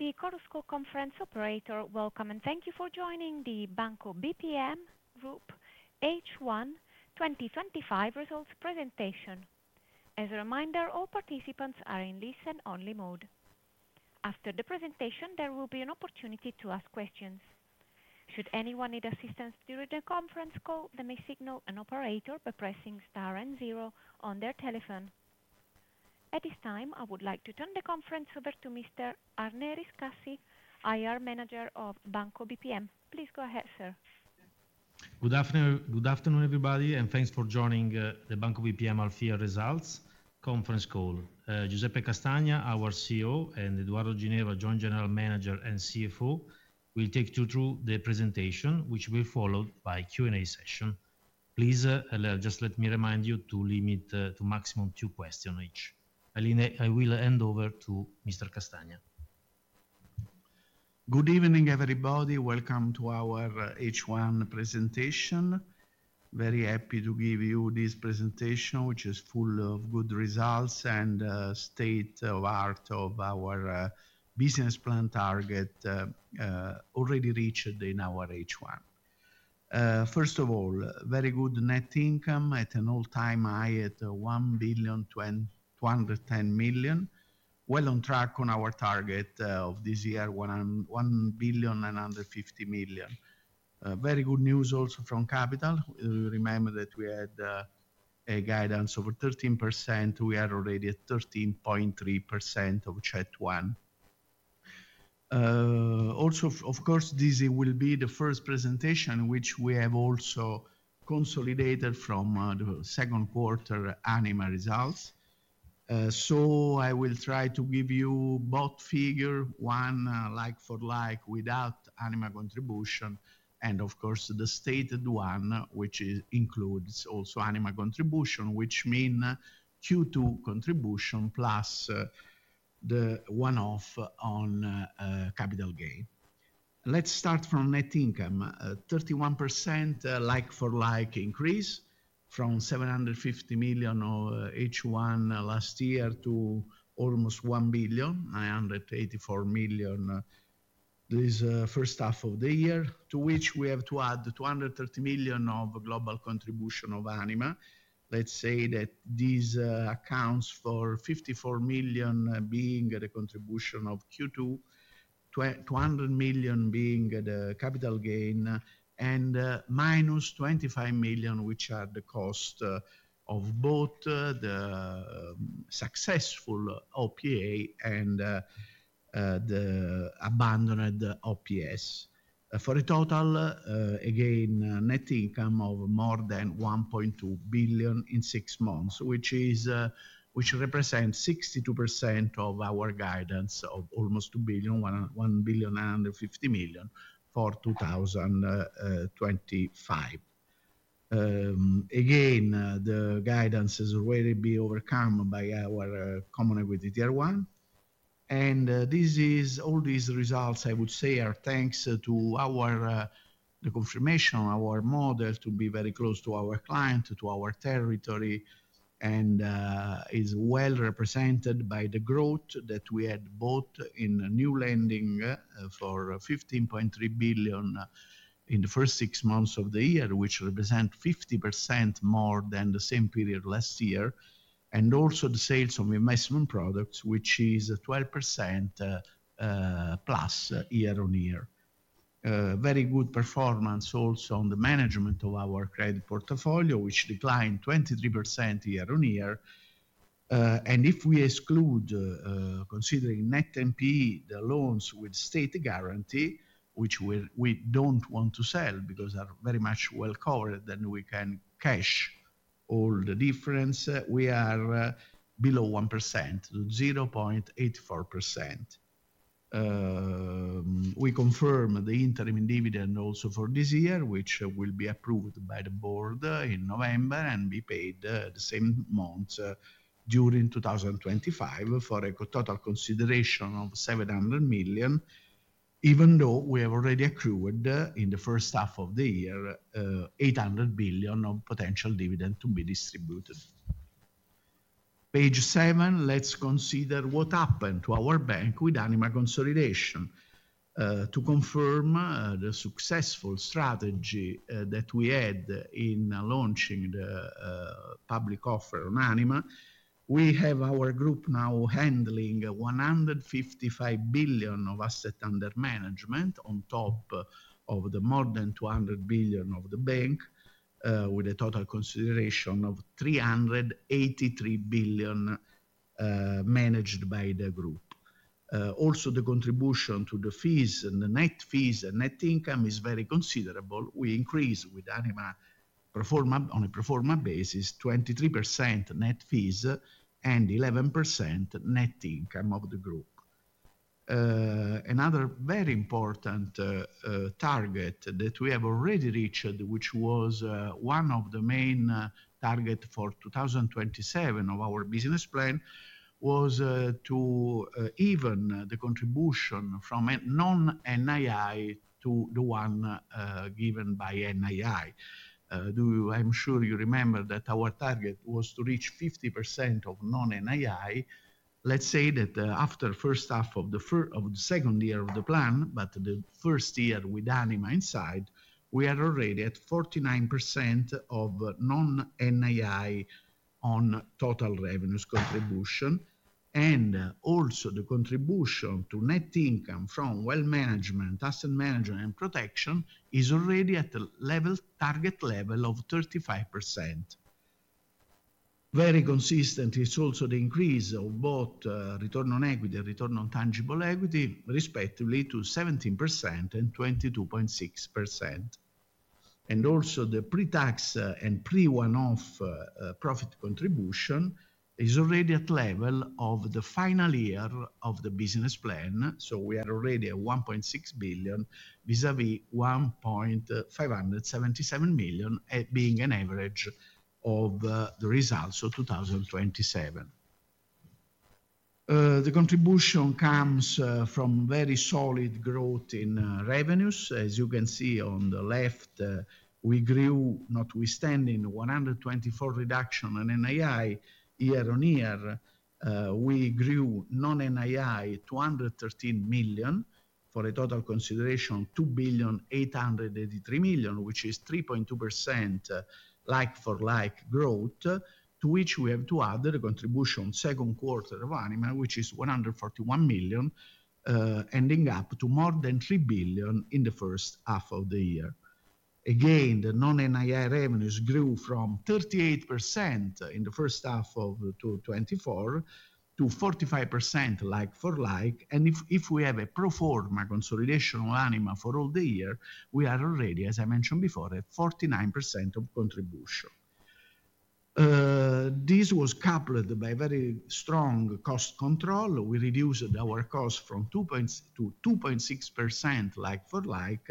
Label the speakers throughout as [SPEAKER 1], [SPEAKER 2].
[SPEAKER 1] Evening. This is the Chorus conference operator. Welcome and thank you for joining the Banco BPM Group H1 2025 results presentation. As a reminder, all participants are in listen only mode. After the presentation, there will be an opportunity to ask questions. Should anyone need assistance during the conference call, they may signal an operator by pressing star and zero on their telephone. At this time I would like to turn the conference over to Mr. Arne Riscassi, IR Manager of Banco BPM. Please go ahead, sir.
[SPEAKER 2] Good afternoon everybody and thanks for joining the Banco BPM Alfea results conference call. Giuseppe Castagna, our CEO, and Edoardo Ginevra, Joint General Manager and CFO, will take you through the presentation which will be followed by a Q and A session. Please just let me remind you to limit to maximum two questions each. I will hand over to Mr. Castagna.
[SPEAKER 3] Good evening everybody. Welcome to our H1 presentation. Very happy to give you this presentation which is full of good results and state of art of our business plan. Target already reached in our H1. First of all, very good. Net income at an all-time high at 1,210,000,000. Well on track on our target of this year 1,950,000,000. Very good news also from capital. Remember that we had a guidance over 13%. We are already at 13.3% of CET1. Also of course this will be the first presentation which we have also consolidated from the second quarter Anima results. I will try to give you both figures. One like-for-like without Anima contribution and of course the stated one which includes also Anima contribution which means Q2 contribution plus the one-off on capital gain. Let's start from net income. 31% like-for-like increase from 750 million of H1 last year to almost 1,984,000,000 this first half of the year to which we have to add 230 million of global contribution of Anima. Let's say that these account for 54 million being the contribution of Q2, 200 million being the capital gain, and -25 million which are the cost of both the successful OPA and the abandoned OPS for a total again net income of more than 1.2 billion in six months which represents 62% of our guidance of almost 2 billion, 1,950,000,000 for 2025. Again the guidance is really be overcome by our Common Equity Tier 1. All these results I would say are thanks to the confirmation our model to be very close to our client, to our territory and is well represented by the growth that we had both in new lending for 15.3 billion in the first six months of the year, which represents 50% more than the same period last year, and also the sales of investment products which is 12%+ year-on-year. Very good performance also on the management of our credit portfolio which declined 23% year-on-year. If we exclude considering net NP the loans with state guarantee which we don't want to sell because are very much well covered, then we can cash all the difference. We are below 1%, 0.84%. We confirm the interim dividend also for this year, which will be approved by the board in November and be paid the same month during 2025 for a total consideration of 700 million, even though we have already accrued in the first half of the year 800 million of potential dividend to be distributed. Page seven. Let's consider what happened to our bank with Anima consolidation to confirm the successful strategy that we had in launching the public offer on Anima. We have our group now handling 155 billion of assets under management on top of the more than 200 billion of the bank, with a total consideration of 383 billion managed by the group. Also, the contribution to the fees and the net fees and net income is very considerable. We increase with Anima on a performance basis 23% net fees and 11% net income of the group. Another very important target that we have already reached, which was one of the main targets for 2027 of our business plan, was to even the contribution from non-NII to the one given by NII. I'm sure you remember that our target was to reach 50% of non-NII. Let's say that after first half of the second year of the plan, but the first year with Anima insight, we are already at 49% of non-NII on total revenues contribution, and also the contribution to net income from wealth management, asset management, and protection is already at the target level of 35%. Very consistent is also the increase of both return on equity and return on tangible equity, respectively to 17% and 22.6%. Also, the pre-tax and pre one-off profit contribution is already at the level of the final year of the business plan. We are already at 1.6 billion vis-à-vis 1.577 billion, being an average of the results of 2027. The contribution comes from very solid growth in revenues. As you can see on the left, we grew notwithstanding 124 million reduction in NII year on year, we grew non-NII 213 million. For a total consideration 2.883 billion, which is 3.2% like-for-like growth, to which we have to add a contribution second quarter of Anima, which is 141 million, ending up to more than 3 billion in the first half of the year. Again, the non-NII revenues grew from 38% in the first half of 2024 to 45% like-for-like. If we have a pro forma consolidation of Anima for all the year, we are already, as I mentioned before, at 49% of contribution. This was coupled by very strong cost control. We reduced our cost from 2% points to 2.6% like-for-like.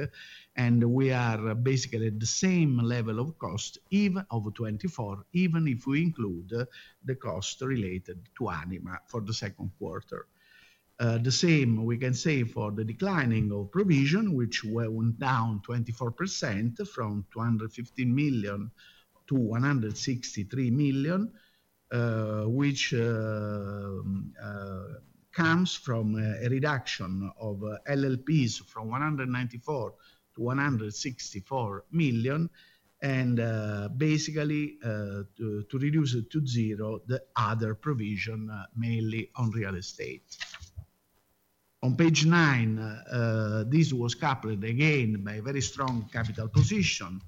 [SPEAKER 3] We are basically at the same level of cost even over 2024, even if we include the cost related to Anima for the second quarter. The same we can say for the declining of provision, which went down 24% from 215 million to 163 million, which comes from a reduction of LLPs from 194 million-164 million and basically to reduce it to zero. The other provision, mainly on real estate on page nine, this was coupled again by a very strong capital position.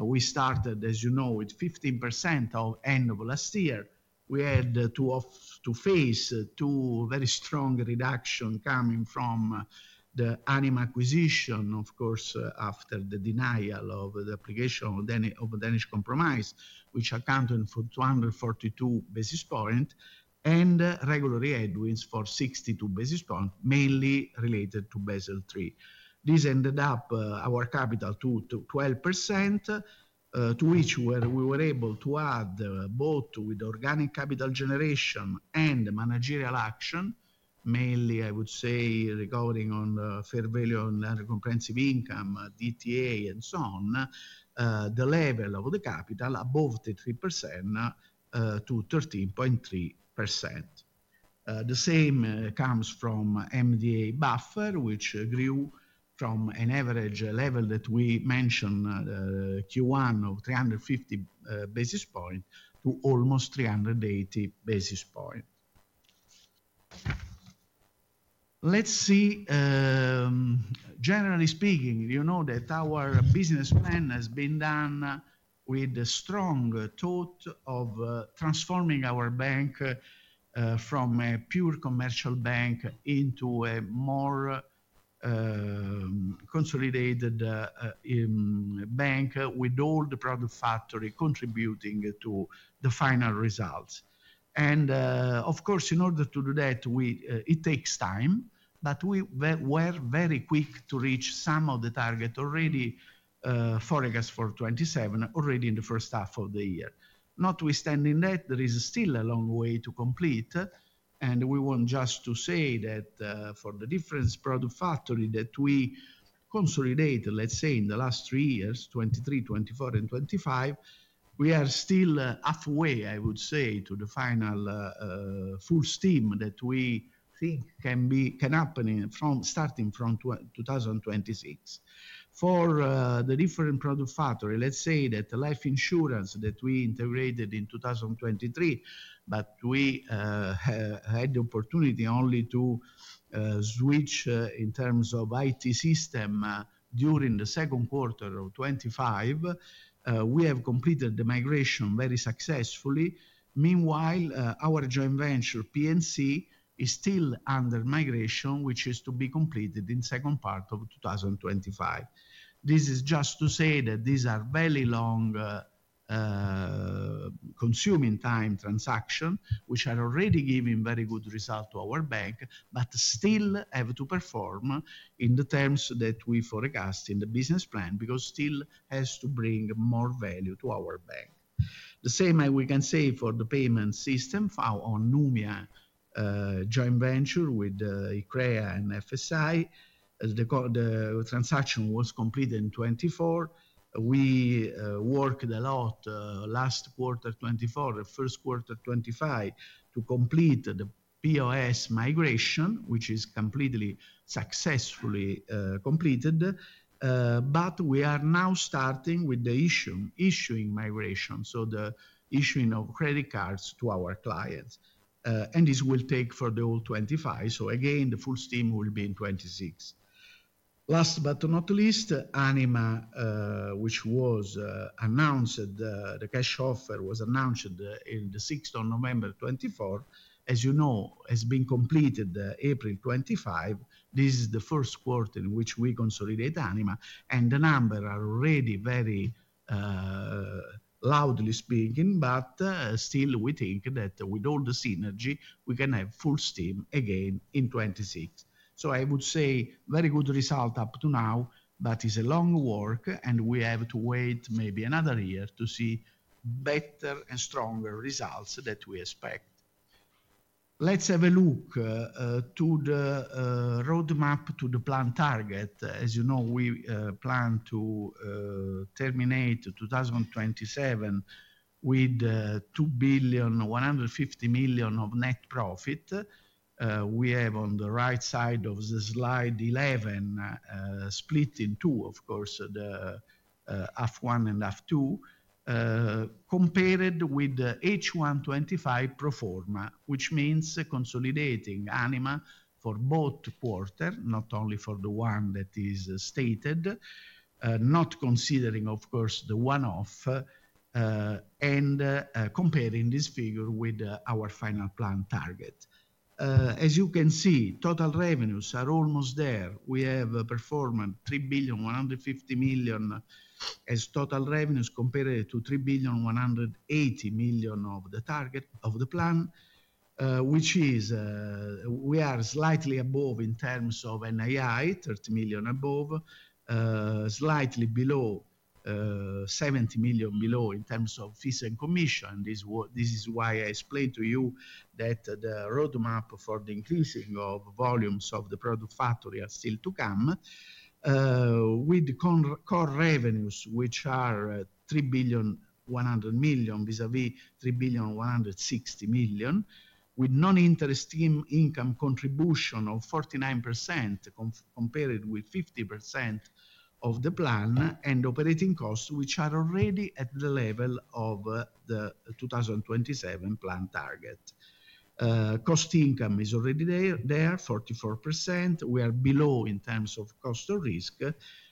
[SPEAKER 3] We started, as you know, with 15% at the end of last year. We had to face two very strong reductions coming from the Anima acquisition, of course, after the denial of the application of Danish compromise, which accounted for 242 basis points and regular headwinds for 62 basis points, mainly related to Basel III. This ended up our capital to 12%, to which we were able to add both with organic capital generation and managerial action. Mainly, I would say regarding on fair value, on comprehensive income DTA and so on, the level of the capital above the 3%-13.3%. The same comes from MDA buffer, which grew from an average level that we mentioned in Q1 of 350 basis points to almost 380 basis points. Generally speaking, you know that our business plan has been done with the strong thought of transforming our bank from a pure commercial bank into a more consolidated bank with all the product factory contributing to the final results. In order to do that, it takes time, but we were very quick to reach some of the target already forecast for 2027 already in the first half of the year. Notwithstanding that, there is still a long way to complete, and we want just to say that for the different product factory that we consolidated, let's say in the last three years, 2023, 2024, and 2025, we are still halfway, I would say, to the final full steam that we think can happen starting from 2026 for the different product factory. Let's say that life insurance that we integrated in 2023, but we had the opportunity only to switch in terms of IT system during 2Q25. We have completed the migration very successfully. Meanwhile, our joint venture PNC is still under migration, which is to be completed in the second part of 2025. This is just to say that these are very long, time-consuming transactions which are already giving very good result to our bank but still have to perform in the terms that we forecast in the business plan because still has to bring more value to our bank. The same we can say for the payment system on Numiya joint venture with ICCREA and FSI as the transaction was completed in 2024. We worked a lot last quarter 2024, first quarter 2025 to complete the POS migration which is completely successfully completed. We are now starting with the issuing migration, so the issuing of credit cards to our clients, and this will take for the whole 2025. Full steam will be in 2026. Last but not least, Anima, which was announced, the cash offer was announced on the 6th of November 2024, as you know, has been completed April 2025. This is the first quarter in which we consolidate Anima and the numbers are already very loudly speaking, but still we think that with all the synergy we can have full steam again in 2026. I would say very good result up to now, but it is a long work and we have to wait maybe another year to see better and stronger results that we expect. Let's have a look to the roadmap to the plan target. As you know, we plan to terminate 2027 with 2,150,000,000 of net profit. We have on the right side of the slide 11 split in two. Of course, the half one and half two compared with H1 2025 pro forma, which means consolidating Anima for both quarters, not only for the one that is stated, not considering of course the one off, and comparing this figure with our final plan target. As you can see, total revenues are almost there. We have performed 3,150,000,000 as total revenues compared to 3,180,000,000 of the target of the plan, which is we are slightly above in terms of NII 30 million above, slightly below 70 million below in terms of fees and commission. This is why I explained to you that the roadmap for the increasing of volumes of the product factory are still to come with core revenues which are 3,100,000,000 vis a vis 3,160,000,000 with non-interest income contribution of 49% compared with 50% of the plan and operating costs which are already at the level of the 2027 plan target. Cost income is already there, 44%. We are below in terms of cost of risk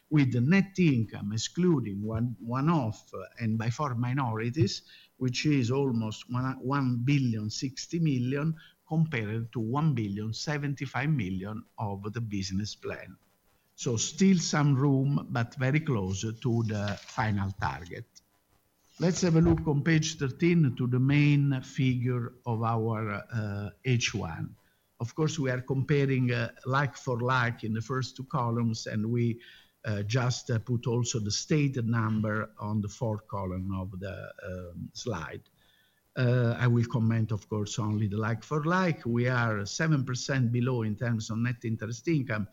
[SPEAKER 3] with the net income excluding one off and by far minorities which is almost 1,060,000,000 compared to 1,075,000,000 of the business plan. Still some room but very close to the final target. Let's have a look on page 13 to the main figure of our H1. Of course, we are comparing like for like in the first two columns and we just put also the stated number on the fourth column of the slide. I will comment of course only the like for like. We are 7% below in terms of net interest income.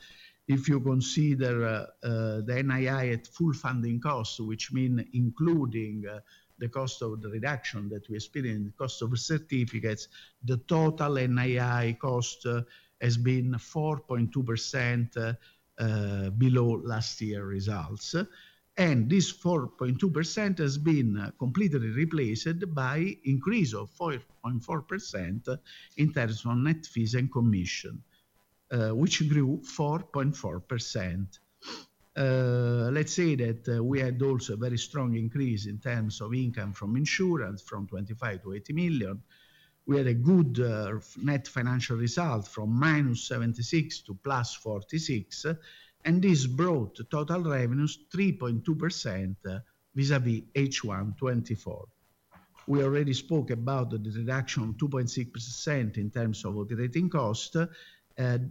[SPEAKER 3] If you consider the NII at full funding cost, which means including the cost of the reduction that we experience, cost of certificates, the total NII cost has been 4.2% below last year results and this 4.2% has been completely replaced by increase of 4.4% in terms of net fees and commission which grew 4.4%. Let's say that we had also a very strong increase in terms of income from insurance from 25 million to 80 million. We had a good net financial result from -76 million-+46 million and this brought total revenues 3.2% vis-à-vis H1 2024. We already spoke about the reduction of 2.6% in terms of operating cost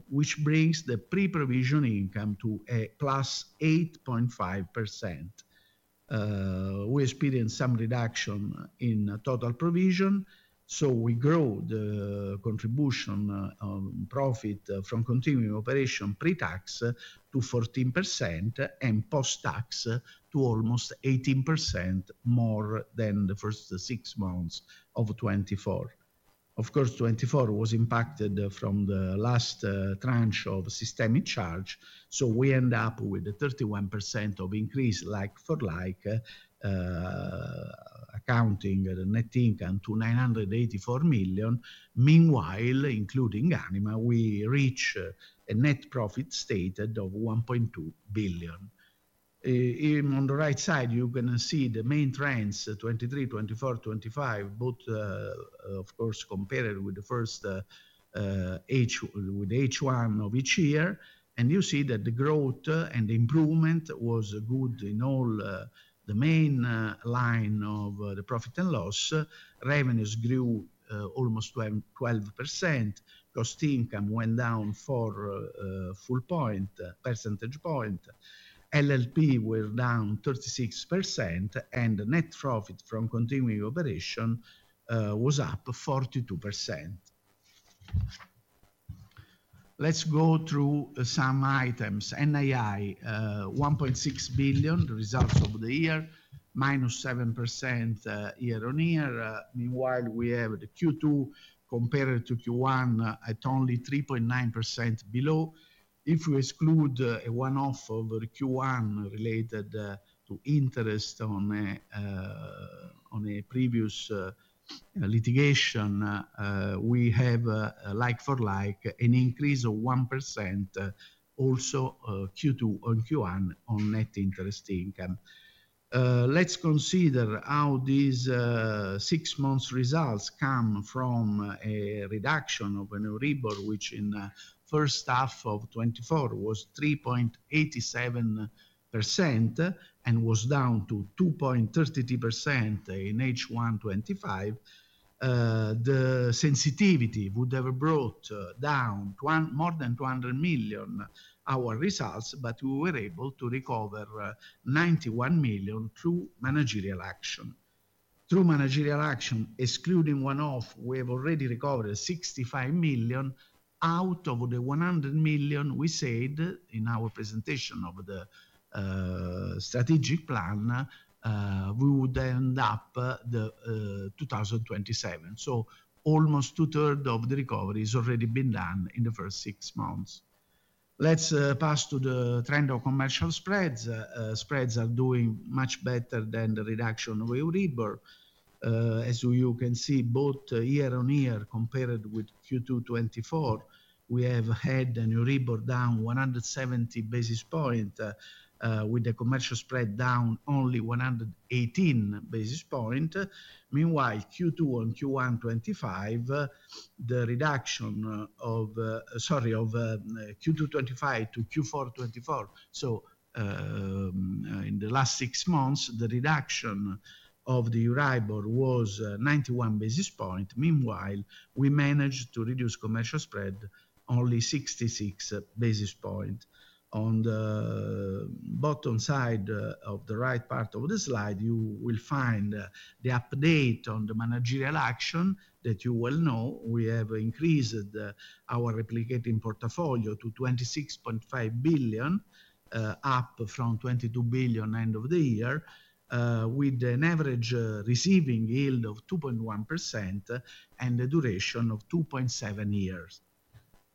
[SPEAKER 3] which brings the pre-provision income to +8.5%. We experienced some reduction in total provision. We grow the contribution profit from continuing operation pre-tax to 14% and post-tax to almost 18% more than the first six months of 2024. Of course, 2024 was impacted from the last tranche of systemic charge. We end up with a 31% of increase like-for-like accounting net income to 984 million. Meanwhile, including Anima, we reach a net profit stated of 1.2 billion. On the right side you can see the main trends 2023, 2024, 2025. Both of course compared with the first with H1 of each year and you see that the growth and improvement was good. In all the main line of the profit and loss, revenues grew almost 12%. Cost income went down 4 full percentage points, LLP were down 36% and the net profit from continuing operation was up 42%. Let's go through some items. NII 1.6 billion results over the year -7% year on year. Meanwhile, we have the Q2 compared to Q1 at only 3.9% below. If we exclude a one-off over Q1 related to interest on a previous litigation, we have like-for-like an increase of 1%. Also Q2 and Q1 on net interest income. Let's consider how these six months results come from a reduction of Euribor which in H1 2024 was 3.87% and was down to 2.33% in H1 2025. The sensitivity would have brought down more than 200 million our results. We were able to recover 91 million through managerial action. Through managerial action excluding one-off, we have already recovered 65 million out of the 100 million. We said in our presentation of the strategic plan we would end up the 2027. Almost two-thirds of the recovery has already been done in the first six months. Let's pass to the trend of commercial spreads. Spreads are doing much better than the reduction of Euribor as you can see both year on year. Compared with Q2 2024, we have had Euribor down 170 basis points with the commercial spread only 118 basis points. Meanwhile, Q2 and Q1 2025, the reduction of, sorry, of Q2 2025 to Q4 2024. In the last six months, the reduction of the Euribor was 91 basis points. Meanwhile, we managed to reduce commercial spread only 66 basis points. On the bottom side of the right part of the slide, you will find the update on the managerial action that you well know. We have increased our replicating portfolio to 26.5 billion, up from 22 billion end of the year, with an average receiving yield of 2.1% and the duration of 2.7 years.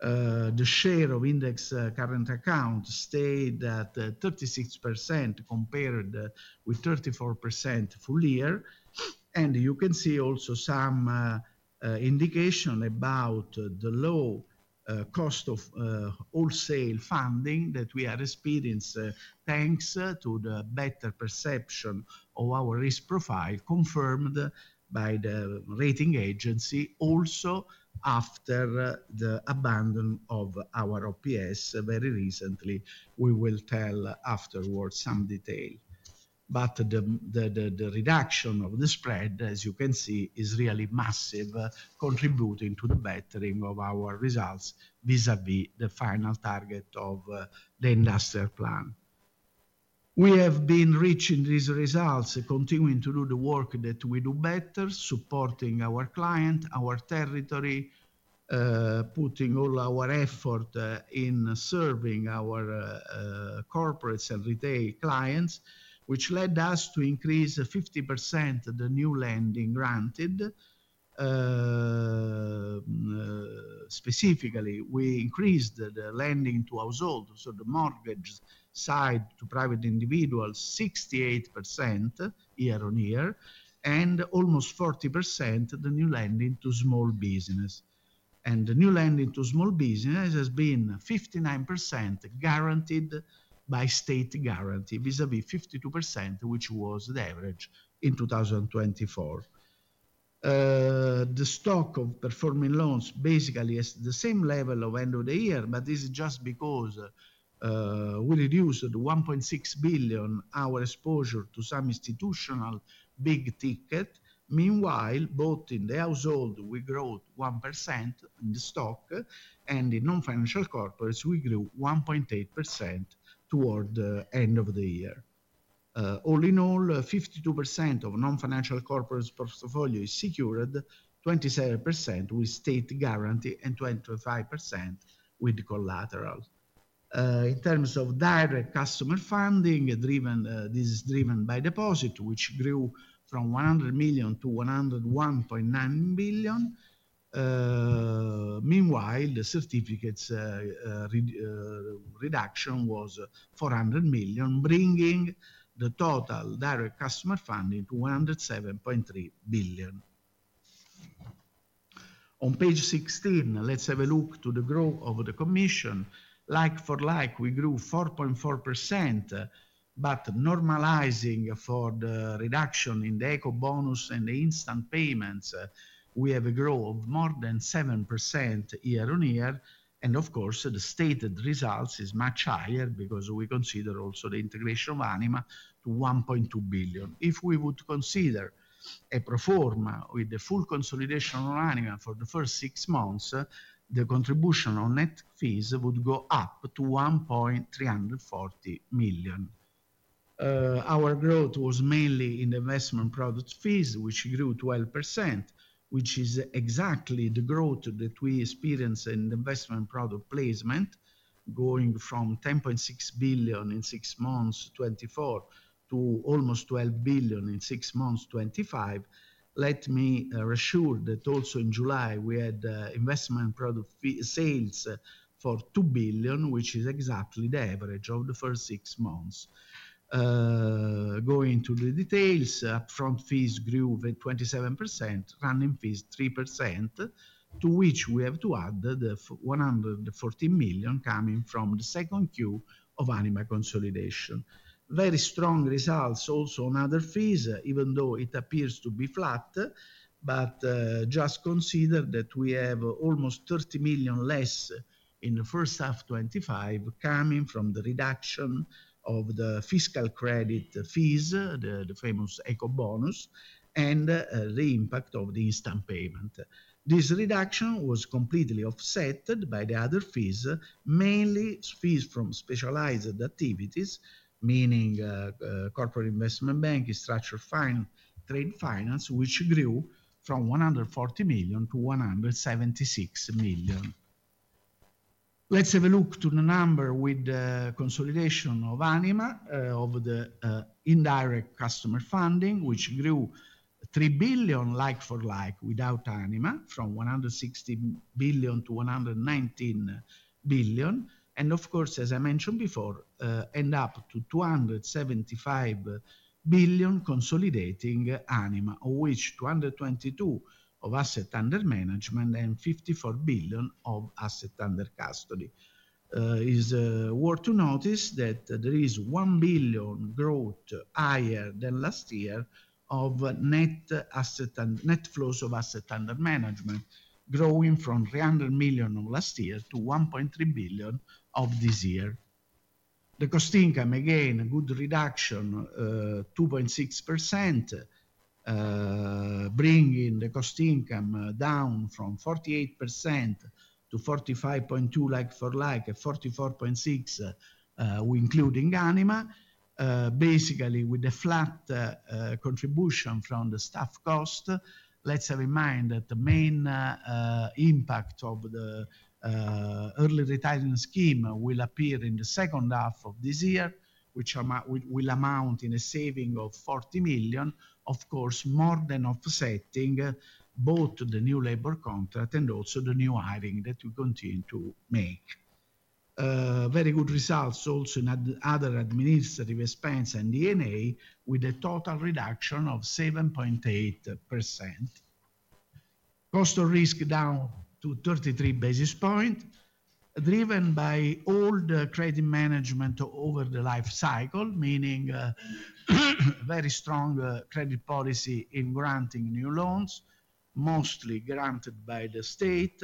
[SPEAKER 3] The share of index current account stayed at 36% compared with 34% full year. You can see also some indication about the low cost of wholesale funding that we are experiencing thanks to the better perception of our risk profile confirmed by the rating agency. Also, after the abandonment of our OPS very recently, we will tell afterwards some detail, but the reduction of the spread as you can see is really massive, contributing to the bettering of our results vis a vis the final target of the industrial plan. We have been reaching these results continuing to do the work that we do better, supporting our clients, our territory, putting all our effort in serving our corporates and retail clients which led us to increase 50% the new lending granted. Specifically, we increased the lending to household, so the mortgage side to private individuals, 68% year on year and almost 40%. The new lending to small business and the new lending to small business has been 59% guaranteed by state guarantee vis a vis 52% which was the average in 2024. The stock of performing loans basically has the same level of end of the year. This is just because we reduced 1.6 billion our exposure to some institutional big ticket. Meanwhile, both in the household we grow 1% in the stock and in non-financial corporates we grew 1.8% toward the end of the year. All in all, 52% of non-financial corporate portfolio is secured, 27% with state guarantee and 25% with collateral. In terms of direct customer funding, this is driven by deposit which grew from 100 million to 101.9 billion. Meanwhile, the certificate's reduction was 400 million, bringing the total direct customer funding to 107.3 billion. On page 16, let's have a look to the growth of the commission. Like for like, we grew 4.4%. Normalizing for the reduction in the Eco Bonus and the instant payments, we have grown more than 7% year on year. Of course, the stated result is much higher because we consider also the integration of Anima to 1.2 billion. If we would consider a pro forma with the full consolidation of Anima for the first six months, the contribution on net fees would go up to 1.340 billion. Our growth was mainly in the investment product fees, which grew 12%, which is exactly the growth that we experience in the investment product placement, going from 10.6 billion in six months 2024 to almost 12 billion in six months 2025. Let me assure that also in July we had investment product fee sales for 2 billion, which is exactly the average of the first six months. Going to the details, upfront fees grew with 27%, running fees 3%, to which we have to add the 140 million coming from the second quarter of Anima consolidation. Very strong results also in other fees, even though it appears to be flat. Just consider that we have almost 30 million less in the first half 2025 coming from the reduction of the fiscal credit fees, the famous Eco Bonus, and the impact of the instant payment. This reduction was completely offset by the other fees, mainly fees from specialized activities, meaning corporate investment bank structure, fine trade finance, which grew from 140 million-176 million. Let's have a look at the number with the consolidation of Anima of the indirect customer funding, which grew 3 billion like for like without Anima, from 160 billion-119 billion, and of course, as I mentioned before, end up to 275 billion consolidating Anima, of which 222 billion of assets under management and 54 billion of assets under custody. It is worth noticing that there is 1 billion growth higher than last year of net flows of assets under management, growing from 300 million of last year to 1.3 billion of this year. The cost income again a good reduction, 2.6%, bringing the cost income down from 48%-45.2% like for like, 44.6% including Anima. Basically, with a flat contribution from the staff cost. Let's have in mind that the main impact of the early retirement scheme will appear in the second half of this year, which will amount in a saving of 40 million. Of course, more than offsetting both the new labor contract and also the new hiring, we continue to make very good results also in other administrative expense and D&A, with a total reduction of 7.8%. Cost of risk down to 33 basis points, driven by all the credit management over the life cycle, meaning very strong credit policy in granting new loans, mostly granted by the state.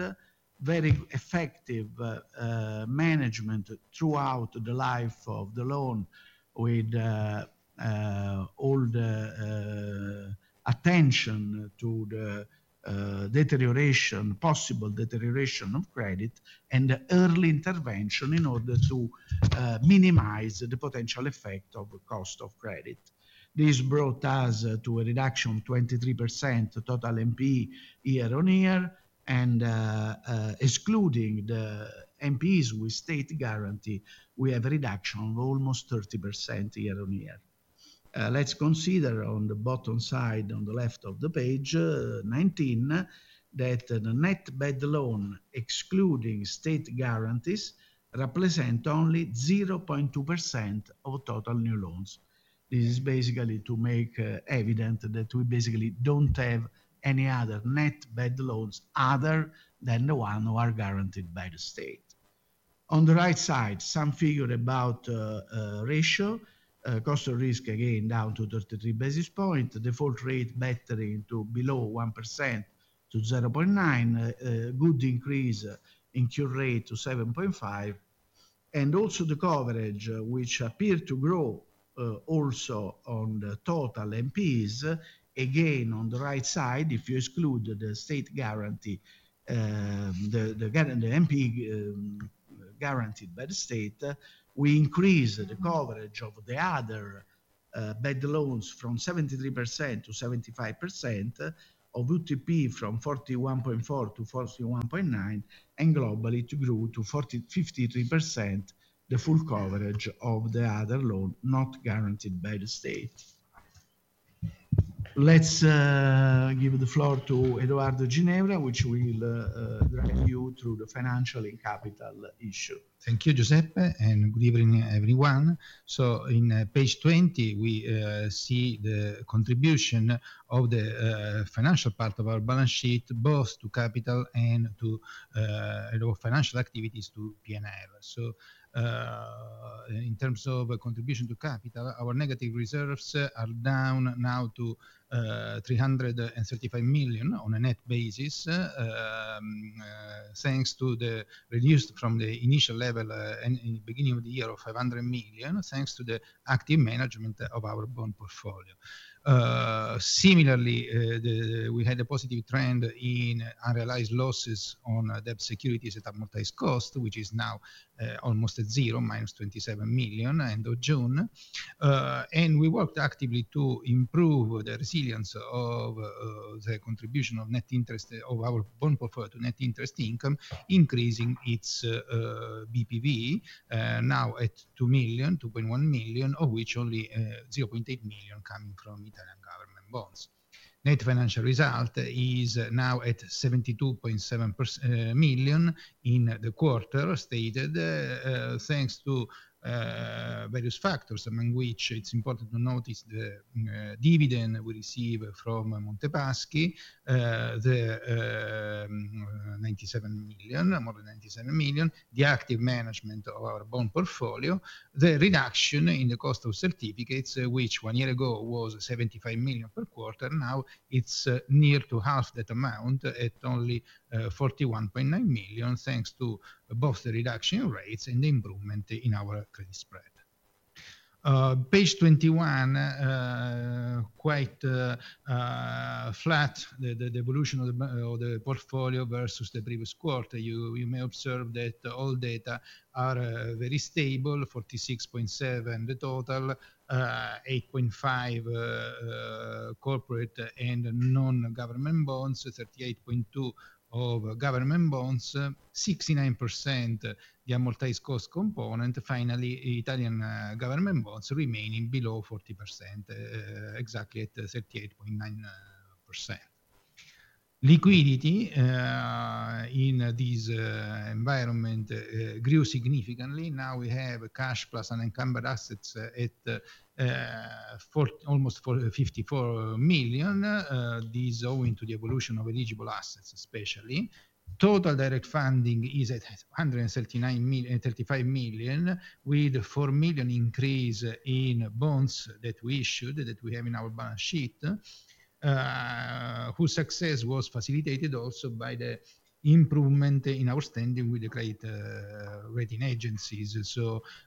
[SPEAKER 3] Very effective management throughout the life of the loan with all the attention to the deterioration, possible deterioration of credit, and the early intervention in order to minimize the potential effect of cost of credit. This brought us to a reduction of 23% total NPE year on year, and excluding the NPEs with state guarantee, we have a reduction of almost 30% year on year. Let's consider on the bottom side on the left of page 19, that the net bad loan excluding state guarantees represents only 0.2% of total new loans. This is basically to make evident that we basically don't have any other net bad loans other than the ones that are guaranteed by the state. On the right side, some figures about ratio cost of risk again down to 33 basis points, default rate better into below 1%-0.9, good increase in cure rate to 7.5, and also the coverage which appears to grow also on the total NPEs again on the right side. If you exclude the state guarantee and the NPE guaranteed by state, we increase the coverage of the other bad loans from 73%-75%, of UTP from 41.4%-41.9%, and globally it grew to 53% the full coverage of the other loan not guaranteed by the state. Let's give the floor to Edoardo Ginevra, which will guide you through the financial and capital issue.
[SPEAKER 4] Thank you, Giuseppe, and good evening everyone. On page 20, we see the contribution of the financial part of our balance sheet both to capital and to financial activities to P&L. In terms of contribution to capital, our negative reserves are down now to 335 million on a net basis thanks to the reduction from the initial level at the beginning of the year of 1 billion, thanks to the active management of our bond portfolio. Similarly, we had a positive trend in unrealized losses on debt securities at amortized cost, which is now almost at 0, at -27 million at the end of June. We worked actively to improve the resilience of the contribution of net interest of our own preferred net interest income, increasing its BPV now at 2 million, 2.1 million of which only 0.8 million coming from Italian government bonds. Net financial result is now at 72.7 million in the quarter stated, thanks to various factors, among which it's important to notice the dividend we received from Monte dei Paschi, the 97 million, more than 97 million. The active management of our bond portfolio, the reduction in the cost of certificates, which one year ago was 75 million per quarter, now it's near to half that amount at only 41.9 million, thanks to both the reduction in rates and improvement in our credit spread. Page 21 is quite flat. The evolution of the portfolio versus the previous quarter, you may observe that all data are very stable: 46.7 billion the total, 8.5 billion corporate and non-government bonds, 38.2 billion of government bonds, 69% the amortized cost component. Finally, Italian government bonds remaining below 40%, exactly at 38.9%. Liquidity in this environment grew significantly. Now we have cash plus unencumbered assets at almost 54 billion. These owing to the evolution of eligible assets, especially total direct funding is at 135 billion with 4 billion increase in bonds that we issued that we have in our balance sheet, whose success was facilitated also by the improvement in outstanding with the credit rating agencies.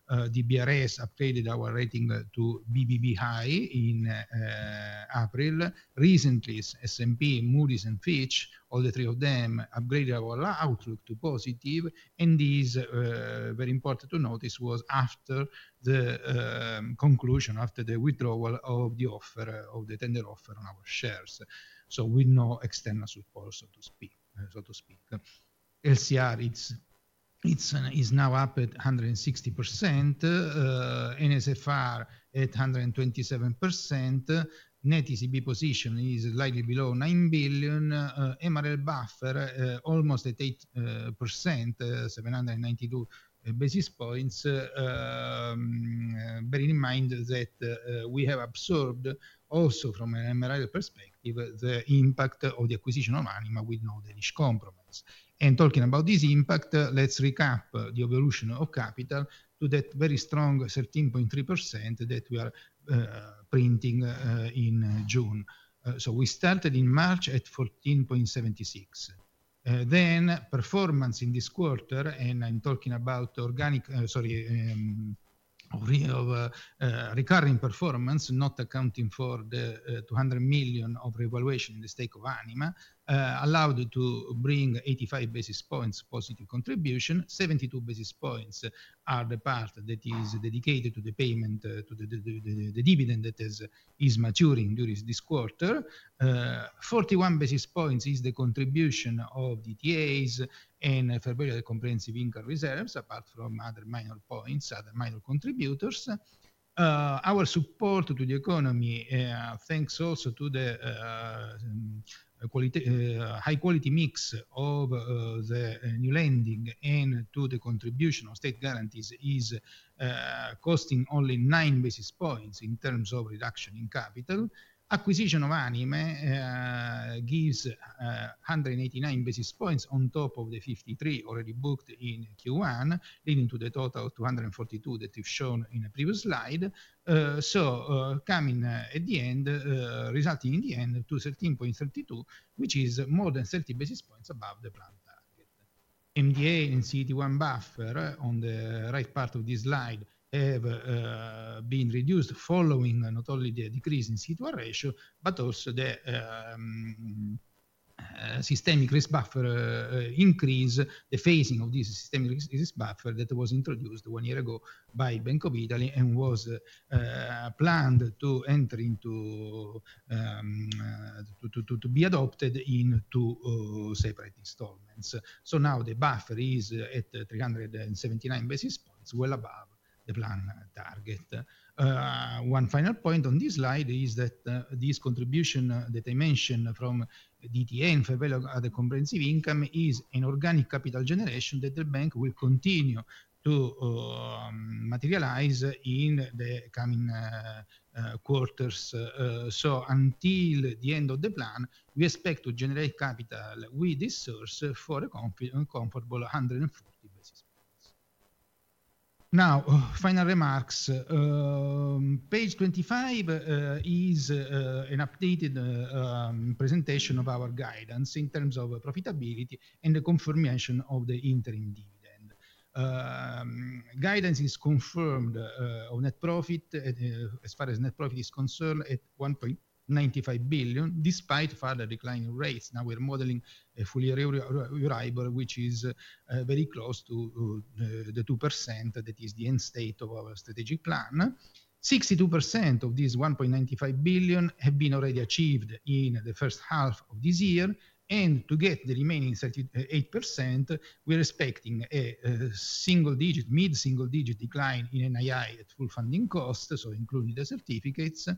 [SPEAKER 4] DBRS updated our rating to BBB high in April. Recently, S&P, Moody's, and Fitch, all three of them upgraded our outlook to positive, and it is very important to notice this was after the conclusion, after the withdrawal of the tender offer on our shares. We had no external support, so to speak. SCR is now up at 160%. NSFR at 127%. Net ECB position is slightly below 9 billion. MREL buffer almost at 8%, 792 basis points. Bearing in mind that we have absorbed also from an MRL perspective the impact of the acquisition of Anima with no harsh compromise and talking about this impact, let's recap the evolution of capital to that very strong 13.3% that we are printing in June. We started in March at 14.76%. Then performance in this quarter, and I'm talking about organic, sorry, recurring performance not accounting for the 200 million of revaluation in the stake of Anima, allowed to bring 85 basis points positive contribution. 72 basis points are the part that is dedicated to the payment to the dividend that is maturing during this quarter. 41 basis points is the contribution of DTAs and Fair Value Other Comprehensive Income reserves. Apart from other minor points, other minor contributors, our support to the economy, thanks also to the high quality mix of the new lending and to the contribution of state guarantees, is costing only 9 basis points in terms of reduction in capital. Acquisition of Anima gives 189 basis points on top of the 53 already booked in Q1, leading to the total 242 that we've shown in a previous slide. Coming at the end, resulting in the end to 13.32% which is more than 30 basis points above the planned target. MDA and CET1 buffer on the right part of this slide have been reduced following not only the decrease in CET1 ratio but also the systemic risk buffer increase. The phasing of this systemic risk buffer that was introduced one year ago by Bank of Italy was planned to be adopted in two separate installments. Now the buffer is at 379 basis points. It's well above the planned target. One final point on this slide is that this contribution that I mentioned from DTA and Fair Other Comprehensive Income is an organic capital generation that the bank will continue to materialize in the coming quarters. Until the end of the plan we expect to generate capital with this source for a comfortable 140 basis points. Final remarks, page 25 is an updated presentation of our guidance in terms of profitability and the confirmation of the interim dividend guidance is confirmed on net profit. As far as net profit is concerned at 1.95 billion despite further declining rates. Now we're modeling a full year which is very close to the 2% that is the end state of our strategic plan. 62% of these 1.95 billion have been already achieved in the first half of this year, and to get the remaining 38% we're expecting a mid single digit decline in NII at full funding cost. Including the certificates,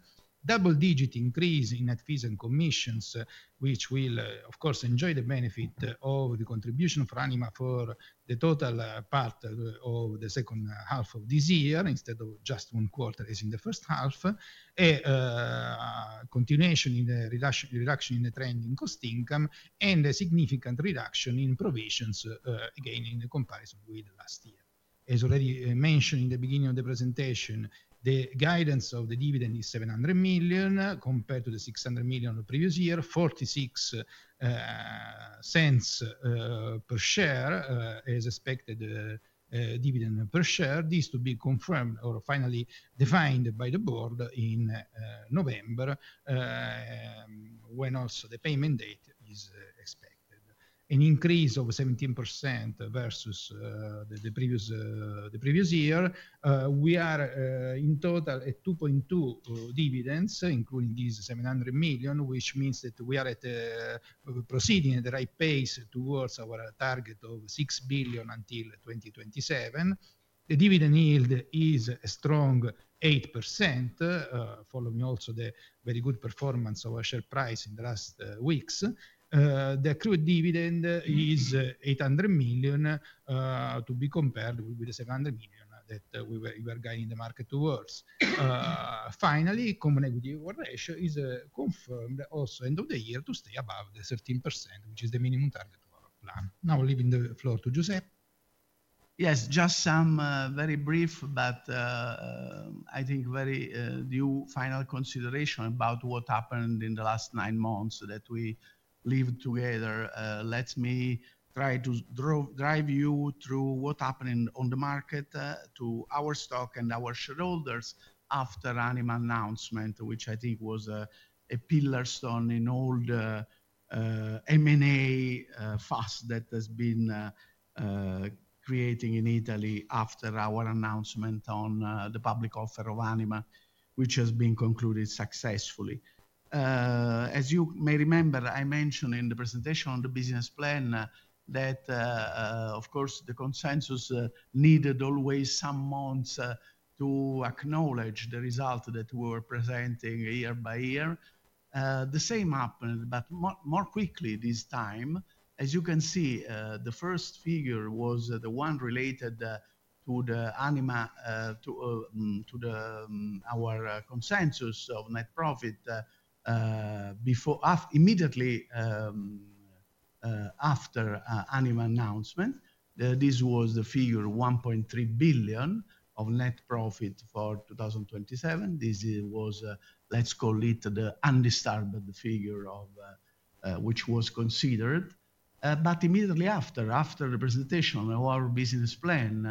[SPEAKER 4] double digit increase in net fees and commissions, which will of course enjoy the benefit of the contribution of Anima for the total part of the second half of this year instead of just one quarter as in the first half. A continuation in the reduction in the trend in cost income and a significant reduction in provisions gaining comparison with last year. As already mentioned in the beginning of the presentation, the guidance of the dividend is 700 million compared to the 600 million the previous year 0.46 per share as expected dividend per share. This to be confirmed or finally defined by the Board in November when also the payment date is expected. An increase of 17% versus the previous year. We are in total at 2.2 billion dividends including these 700 million, which means that we are proceeding at the right pace towards our target of 6 billion until 2027. The dividend yield is a strong 8% following also the very good performance of our share price in the last weeks. The accrued dividend is 800 million to be compared with the 700 million that we were guiding the market towards. Finally, combined ratio is confirmed also end of the year to stay above the 13% which is the minimum target of our plan. Now leaving the floor to Giuseppe.
[SPEAKER 3] Yes, just some very brief but I think very new final consideration about what happened in the last nine months that we lived together. Let me try to drive you through what happening on the market to our stock and our shareholders. After Anima announcement, which I think was a Pillarstone in all M&A fast that has been creating in Italy. After our announcement on the public offer of Anima, which has been concluded successfully. As you may remember, I mentioned in the presentation on the business plan that of course the consensus needed always some months to acknowledge the result that we were presenting year by year. The same happened, but more quickly this time. As you can see, the first figure was the one related to the Anima to our consensus of net profit before immediately after Anima announcement, this was the figure 1.3 billion of net profit for 2027. This was, let's call it the undisturbed figure of which was considered. Immediately after, after the presentation on our business plan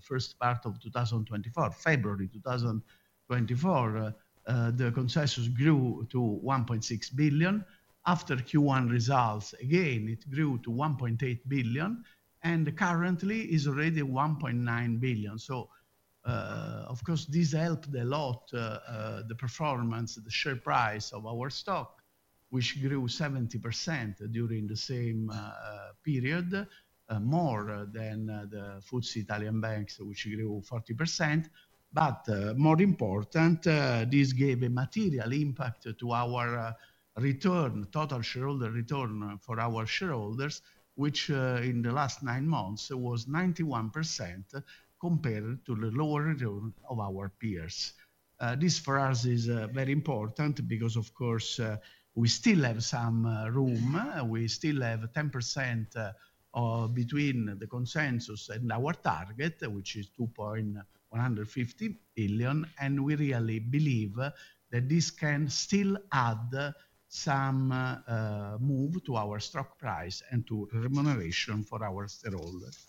[SPEAKER 3] first part of 2024, February 2024, the consensus grew to 1.6 billion. After Q1 results again it grew to 1.8 billion and currently is already 1.9 billion of course this helped a lot. The performance the share price of our stock which grew 70% during the same period, more than the FTSE Italian banks which grew 40%. More important, this gave a material impact to our return. Total shareholder return for our shareholders, which in the last nine months was 91% compared to the lower return of our peers. This for us is very important because of course we still have some room, we still have 10% between the consensus and our target, which is 2.15 billion. We really believe that this can still add some move to our stock price and to remuneration for our shareholders.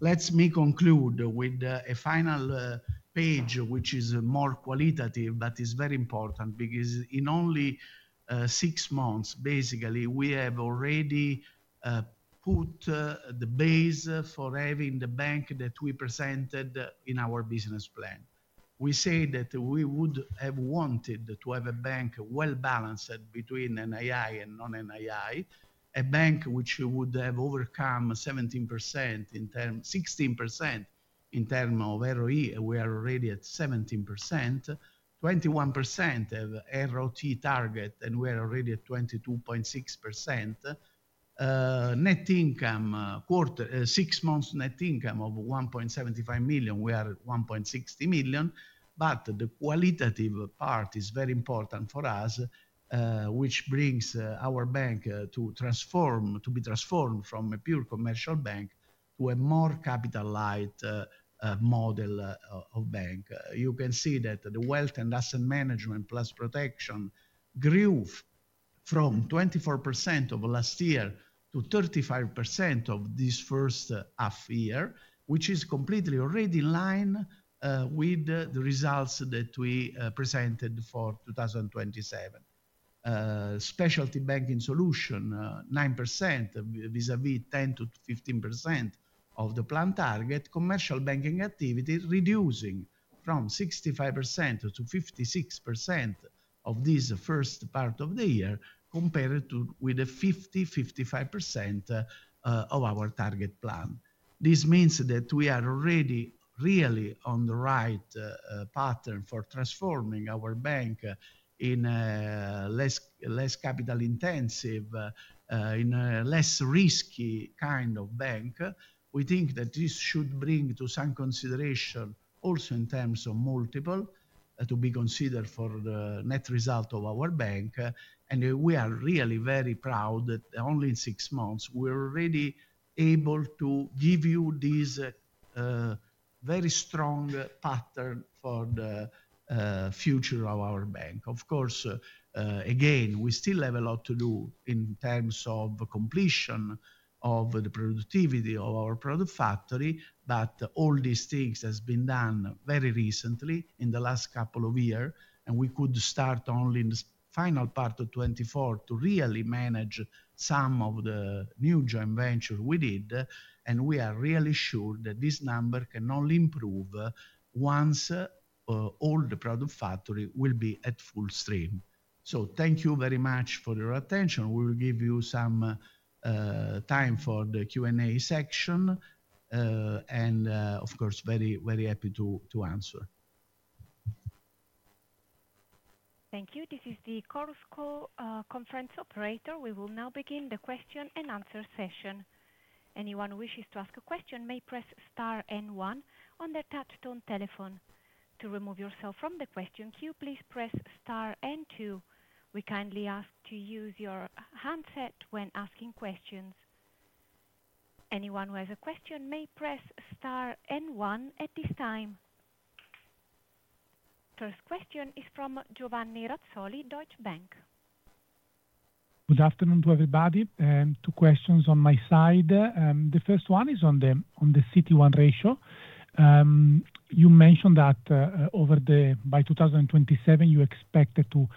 [SPEAKER 3] Let me conclude with a final page, which is more qualitative, but is very important because in only six months, basically we have already put the base for having the bank that we presented in our business plan. We say that we would have wanted to have a bank well balanced between NII and non NII. A bank which would have overcome 17% in terms, 16% in terms of ROE, we are already at 17%. 21% have ROT target and we're already at 22.6% net income quarter six months, net income of 1.75 million we are 1.60 million. The qualitative part is very important for us, which brings our bank to transform, to be transformed from a pure commercial bank to a more capital-light model of bank. You can see that the wealth and asset management plus protection grew from 24% of last year to 35% of this first half year, which is completely already in line with the results that we presented for 2027 specialty banking solution. 9% vis a vis 10%-15% of the plan target commercial banking activities reducing from 65%-56% of this first part of the year, compared to with a 50%, 55% of our target plan. This means that we are already really on the right pattern for transforming our bank in a less, less capital intensive, in a less risky kind of bank. We think that this should bring to some consideration also in terms of multiple to be considered for the net result of our bank. We are really very proud that only six months we're already able to give you these very strong pattern for the future of our bank. Of course, again, we still have a lot to do in terms of completion of the productivity of our product factory. All these things have been done very recently in the last couple of years. We could start only in the final part of 2024 to really manage some of the new joint ventures we did. We are really sure that this number can only improve once all the product factory will be at full stream. Thank you very much for your attention we will give you some time for the Q and A section and of course very, very happy to answer.
[SPEAKER 1] Thank you. This is the Chorus call conference operator. We will now begin the question and answer session. Anyone who wishes to ask a question may press N1 on their touchtone telephone. To remove yourself from the question queue, please press N2. We kindly ask to use your handset when asking questions. Anyone who has a question may press N1 at this time. First question is from Giovanni Razzoli, Deutsche Bank.
[SPEAKER 5] Good afternoon to everybody and two questions on my side. The first one is on the CET1 ratio. You mentioned that by 2027 you expected to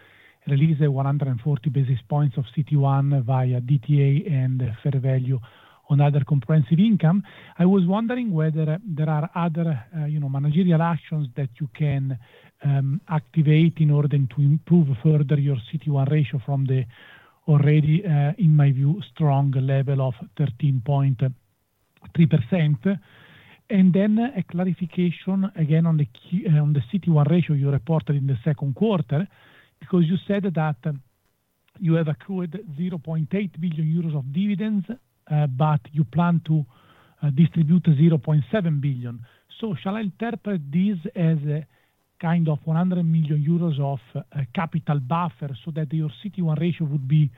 [SPEAKER 5] release 140 basis points of CET1 via DTA and fair value on other comprehensive income. I was wondering whether there are other, you know, managerial actions that activate in order to improve further your CET1 ratio from the already, in my view, strong level of 13.3%. A clarification again on the CET1 ratio you reported in the second quarter because you said that you have accrued 0.8 billion euros of dividends, but you plan to distribute 0.7 billion. Shall I interpret this as kind of 100 million euros of capital buffer so that your CET1 ratio would be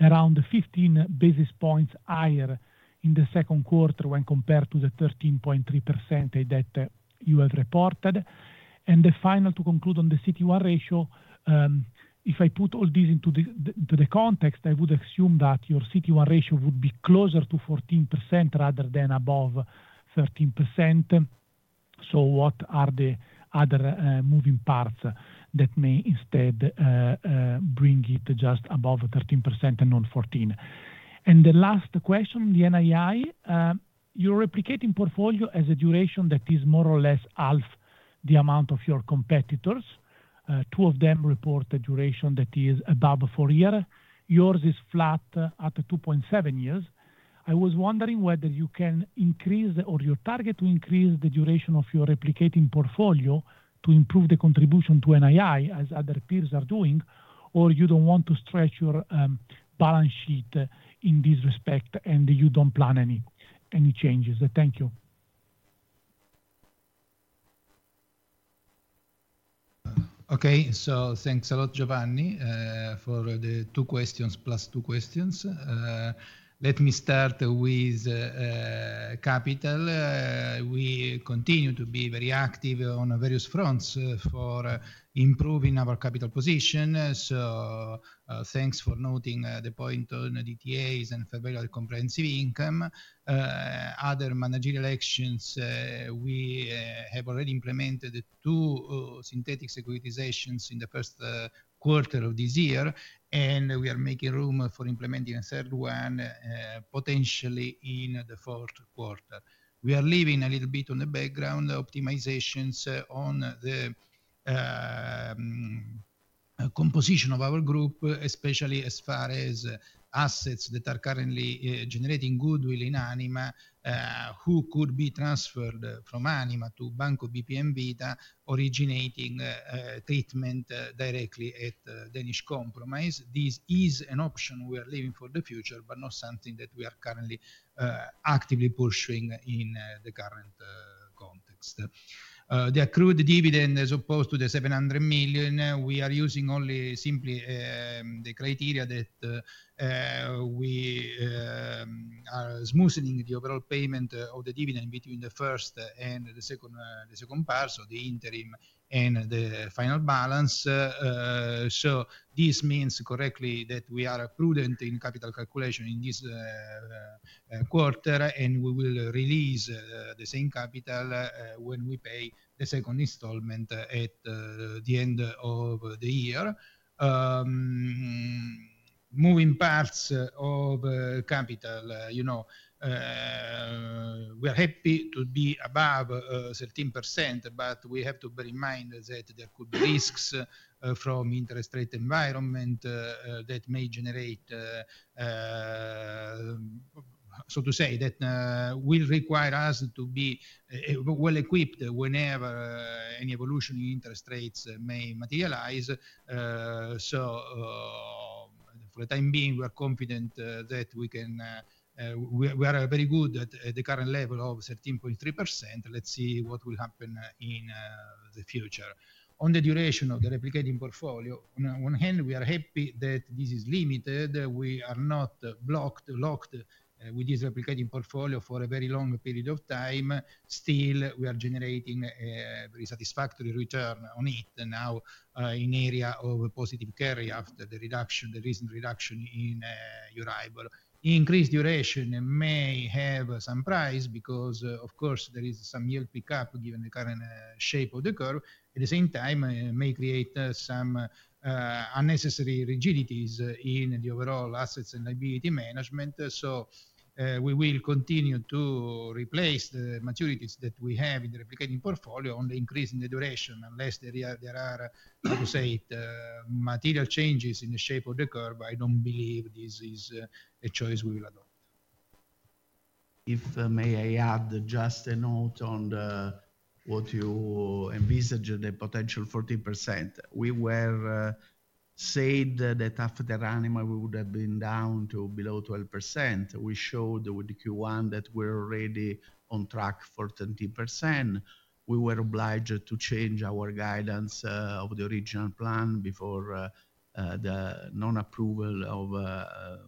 [SPEAKER 5] around 15 basis points higher in the second quarter when compared to the 13.3% that you have reported? To conclude on the CET1 ratio, if I put all these into the context, I would assume that your CET1 ratio would be closer to 14% rather than above 13%. What are the other moving parts that may instead bring it just above 13%? The last question, the NII, your replicating portfolio has a duration that is more or less half the amount of your competitors. Two of them report a duration that is above four years. Yours is flat at 2.7 years. I was wondering whether you can increase or your target to increase the duration of your replicating portfolio to improve the contribution to NII as other peers are doing or you don't want to stretch your balance sheet in this respect and you don't plan any changes. Thank you.
[SPEAKER 4] Okay, so thanks a lot Giovanni, for the two questions plus two questions. Let me start with capital. We continue to be very active on various fronts for improving our capital position. Thanks for noting the point on DTAs and [Federal] Comprehensive income, other managerial actions. We have already implemented two synthetic securitizations in the first quarter of this year and we are making room for implementing a third one potentially in the fourth quarter. We are leaving a little bit on the background optimizations on the composition of our group, especially as far as assets that are currently generating goodwill in Anima who could be transferred from Anima to Banco BPM Vita originating treatment directly at Danish compromise. This is an option we are leaving for the future, but not something that we are currently actively pursuing in the current context. The accrued dividend as opposed to the 700 million. We are using only simply the criteria that we are smoothing the overall payment of the dividend between the first and the second, the second part so the interim and the final balance. This means correctly that we are prudent in capital calculation in this quarter and we will release the same capital when we pay the second installment at the end of the year. Moving parts of capital. We are happy to be above 13%, but we have to bear in mind that there could be risks from interest rate environment that may generate, so to say, that will require us to be well equipped whenever any evolution in interest rates may materialize. For the time being we are confident that we can. We are very good at the current level of 13.3%. Let's see what will happen in the future on the duration of the replicating portfolio. On one hand, we are happy that this is limited. We are not locked with this replicating portfolio for a very long period of time. Still we are generating a very satisfactory return on it. Now in area of positive carry after the reduction, the recent reduction in your rival increased duration may have some price because of course there is some yield pickup given the current shape of the curve. At the same time may create some unnecessary rigidities in the overall asset-liability management. We will continue to replace the maturities that we have in the replicating portfolio on the increase in the duration. Unless there are, what we say, material changes in the shape of the curve, I don't believe this is a choice we will adopt.
[SPEAKER 3] If may I add just a note on what you envisage the potential 40%. We were said that after Anima we would have been down to below 12%. We showed with Q1 that we're already on track for 20%. We were obliged to change our guidance of the original plan before the non approval of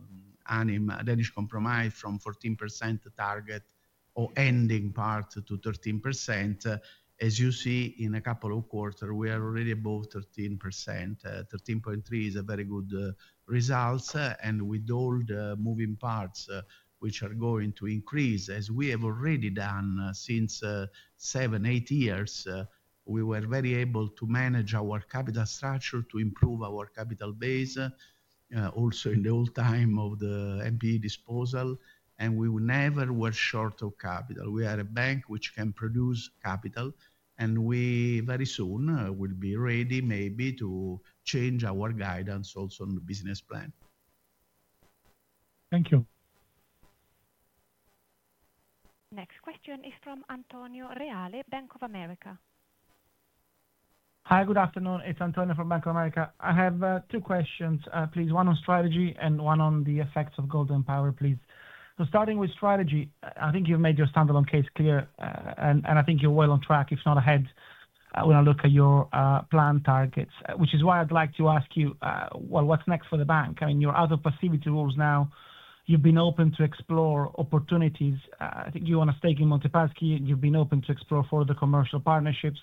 [SPEAKER 3] Anima Danish compromise from 14% target or ending part to 13%. As you see, in a couple of quarters we are already above 13%. 13.3% is a very good result. With all the moving parts which are going to increase as we have already done since seven, eight years, we were very able to manage our capital structure, to improve our capital base. Also in the old time of the MP disposal and we never were short of capital. We are a bank which can produce capital and we very soon will be ready maybe to change our guidance also on the business plan.
[SPEAKER 5] Thank you.
[SPEAKER 1] Next question is from Antonio Reale, Bank of America.
[SPEAKER 6] Hi, good afternoon, it's Antonio from Bank of America. I have two questions, please. One on strategy and one on the effects of Golden Power, please. Starting with strategy, I think you've made your standalone case clear and I think you're well on track, if not ahead, when I look at your plan targets, which is why I'd like to ask you, what's next for the bank? You're out of passivity rules now, you've been open to explore opportunities. I think you own a stake in Monte Paschi, you've been open to explore for the commercial partnerships.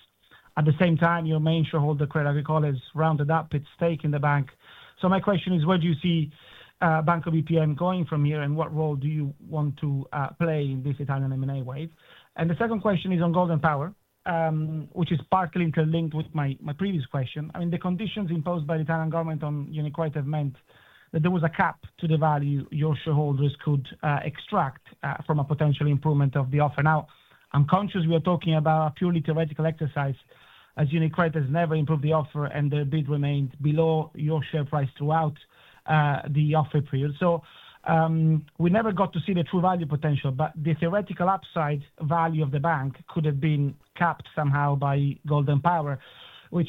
[SPEAKER 6] At the same time, your main shareholder, Crédit Agricole, has rounded up its stake in the bank. My question is, where do you see Banco BPM going from here? What role do you want to play in this Italian M&A wave? The second question is on Golden Power, which is partly interlinked with my previous question. The conditions imposed by the Italian government on UniCredit have meant that there was a cap to the value your shareholders could extract from a potential improvement of the offer. Now, I'm conscious we are talking about a purely theoretical exercise, as UniCredit has never improved the offer and the bid remained below your share price throughout the offer period. We never got to see the true value potential. The theoretical upside value of the bank could have been capped somehow by Golden Power, which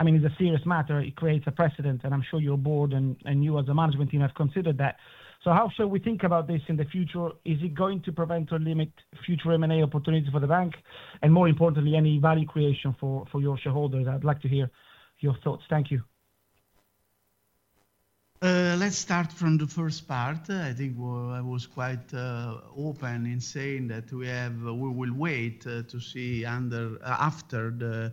[SPEAKER 6] is a serious matter. It creates a precedent and I'm sure your board and you as a management team have considered that. How shall we think about this in the future? Is it going to prevent or limit future M&A opportunities for the bank and, more important, any value creation for your shareholders? I'd like to hear your thoughts. Thank you.
[SPEAKER 3] Let's start from the first part. I think I was quite open in saying that we will wait to see after the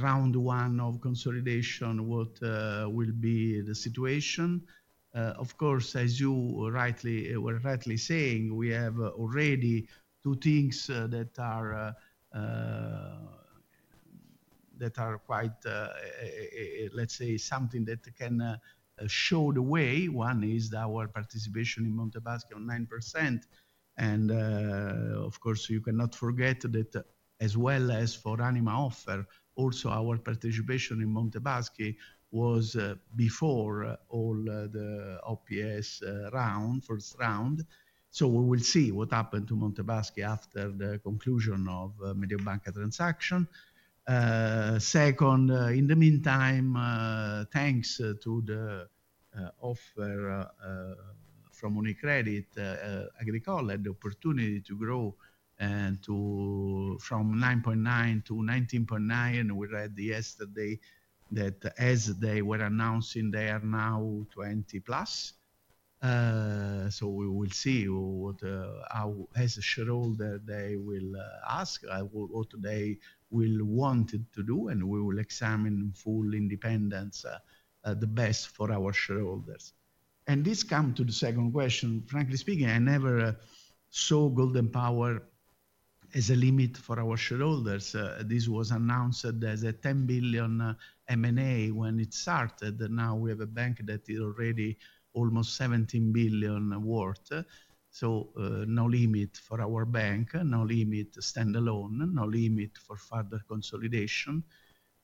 [SPEAKER 3] round one of consolidation, what will be the situation of course, as you were rightly saying, we have already two things that are quite, let's say, something that can show the way. One is our participation in Monte dei Paschi 9%. Of course, you cannot forget that as well as for Anima offer, also our participation in Monte dei Paschi was before all the public offer round, first round. We will see what happened to Monte dei Paschi after the conclusion of Mediobanca transaction. Second, in the meantime, thanks to the offer from Crédit Agricole, the opportunity to grow from 9.9%-19.9%. We read yesterday that as they were announcing, they are now 20+. We will see how as a shareholder they will ask what they will wanted to do and we will examine in full independence the best for our shareholders. This comes to the second question. Frankly speaking, I never saw Golden Power regulations as a limit for our shareholders. This was announced as a 10 billion M&A when it started. Now we have a bank that is already almost 17 billion worth. No limit for our bank. No limit standalone, no limit for further consolidation.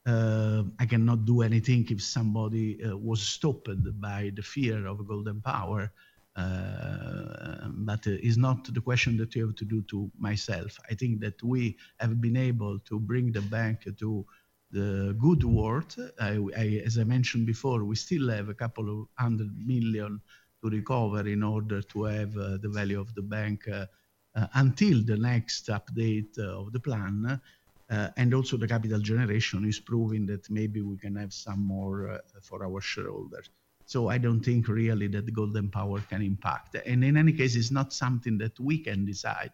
[SPEAKER 3] I cannot do anything if somebody was stopped by the fear of Golden Power regulations. It's not the question that you have to do. I think that we have been able to bring the bank to the good word. As I mentioned before, we still have a couple of hundred million to recover in order to have the value of the bank until the next update of the plan. Also, the capital generation is proving that maybe we can have some more for our shareholders. I don't think really that Golden Power regulations can impact. In any case, it's not something that we can decide.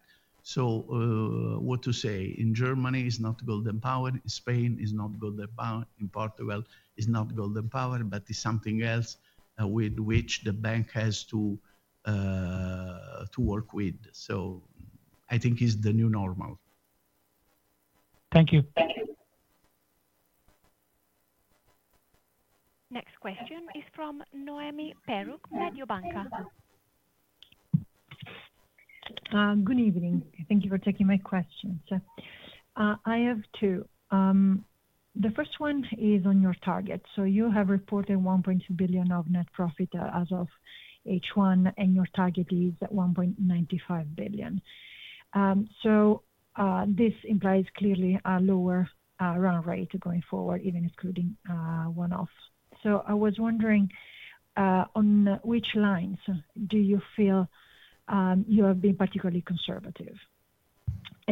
[SPEAKER 3] What to say, in Germany is not Golden Power, Spain is not Golden Power. In Portugal is not Golden Power. It's something else with which the bank has to work with. I think it is the new normal.
[SPEAKER 6] Thank you.
[SPEAKER 1] Next question is from Noemi Peruch, Mediobanca.
[SPEAKER 7] Good evening. Thank you for taking my questions. I have two. The first one is on your target. You have reported 1.2 billion of net profit as of H1 and your target is at 1.95 billion. This implies clearly a lower run rate going forward, even excluding one-off. I was wondering on which lines you feel you have been particularly conservative.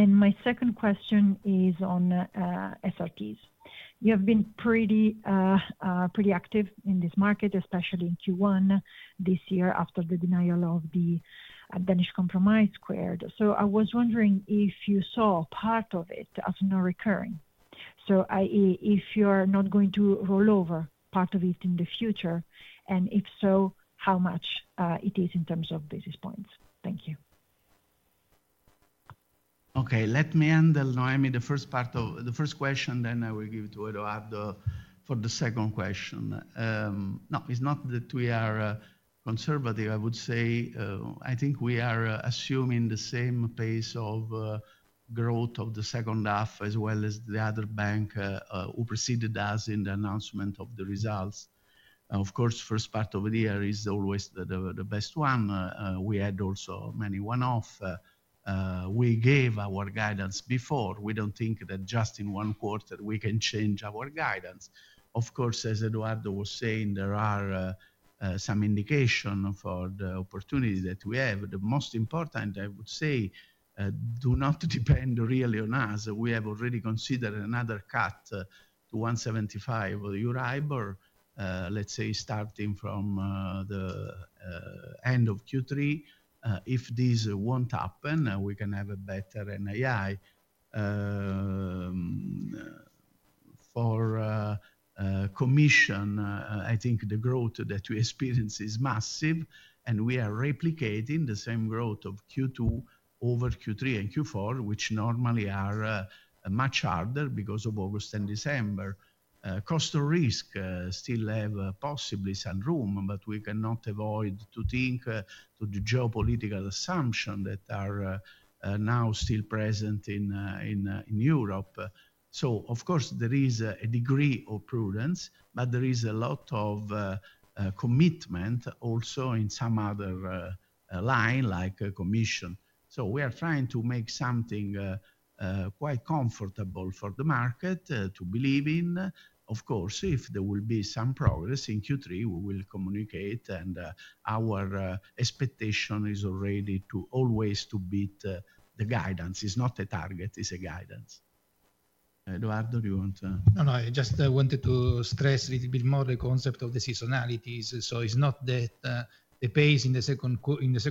[SPEAKER 7] My second question is on SRPs. You have been pretty, pretty active in this market, especially in Q1 this year after the denial of the Danish compromise squared. I was wondering if you saw part of it as no recurrence, that is, if you are not going to roll over part of it in the future and if so, how much it is in terms of basis points. Thank you.
[SPEAKER 3] Okay, let me handle Noemi, the first part of the first question. Then I will give it to Edoardo for the second question. No, it's not that we are conservative. I would say, I think we are assuming the same pace of growth of the second half as well as the other bank who preceded us in the announcement of the results. Of course, first part of the year is always the best one. We had also many one-off. We gave our guidance before. We don't think that just in one quarter we can change our guidance. Of course, as Edoardo was saying, there are some indication for the opportunity that we have. The most important, I would say, do not depend really on us. We have already considered another cut to 175. Let's say starting from the end of Q3. If this won't happen, we can have a better NII for commission. I think the growth that we experience is massive and we are replicating the same growth of Q2 over Q3 and Q4, which normally are much harder because of August and December. Cost of risk still have possibly some room, but we cannot avoid to think to the geopolitical assumptions that are now still present in Europe. There is a degree of prudence, but there is a lot of commitment also in some other line like commission. We are trying to make something quite comfortable for the market to believe in. If there will be some progress in Q3, we will communicate. Our expectation is already to always to beat the guidance. It's not a target, it's a guidance. Edoardo, do you want to.
[SPEAKER 4] No, no. I just wanted to stress a little bit more the concept of the seasonality. It's not that the pace in the second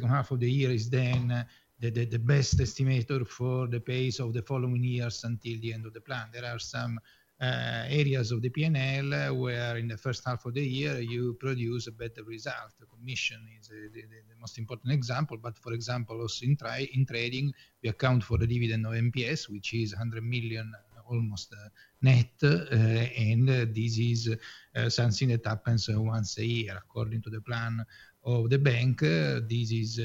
[SPEAKER 4] half of the year is then the best estimator for the pace of the following years until the end of the plan. There are some areas of the P&L where in the first half of the year you produce a better result. The commission is the most important example. For example, in trading we account for the dividend of MPS, which is 100 million almost net. This is something that happens once a year according to the plan of the bank. This is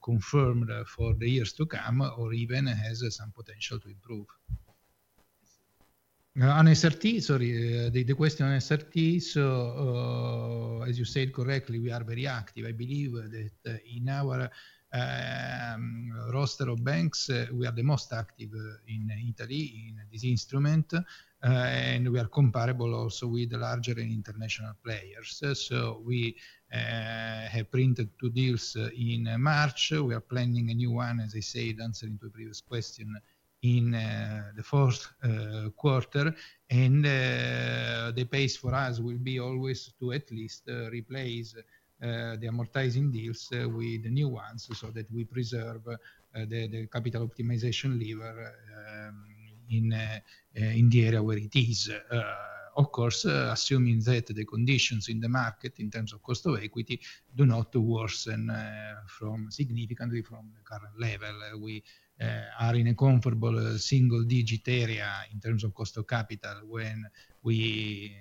[SPEAKER 4] confirmed for the years to come, or even has some potential to improve on SRT. Sorry, the question on SRT. As you said correctly, we are very active. I believe that in our roster of banks we are the most active in Italy in this instrument. We are comparable also with the larger and international players. We have printed two deals in March. We are planning a new one, as I said answering the previous question, in the fourth quarter. The pace for us will be always to at least replace the amortizing deals with the new ones, so that we preserve the capital optimization lever in the area where it is, of course assuming that the conditions in the market in terms of cost of equity do not worsen significantly from the current level. We are in a comfortable single digit area in terms of cost of capital when we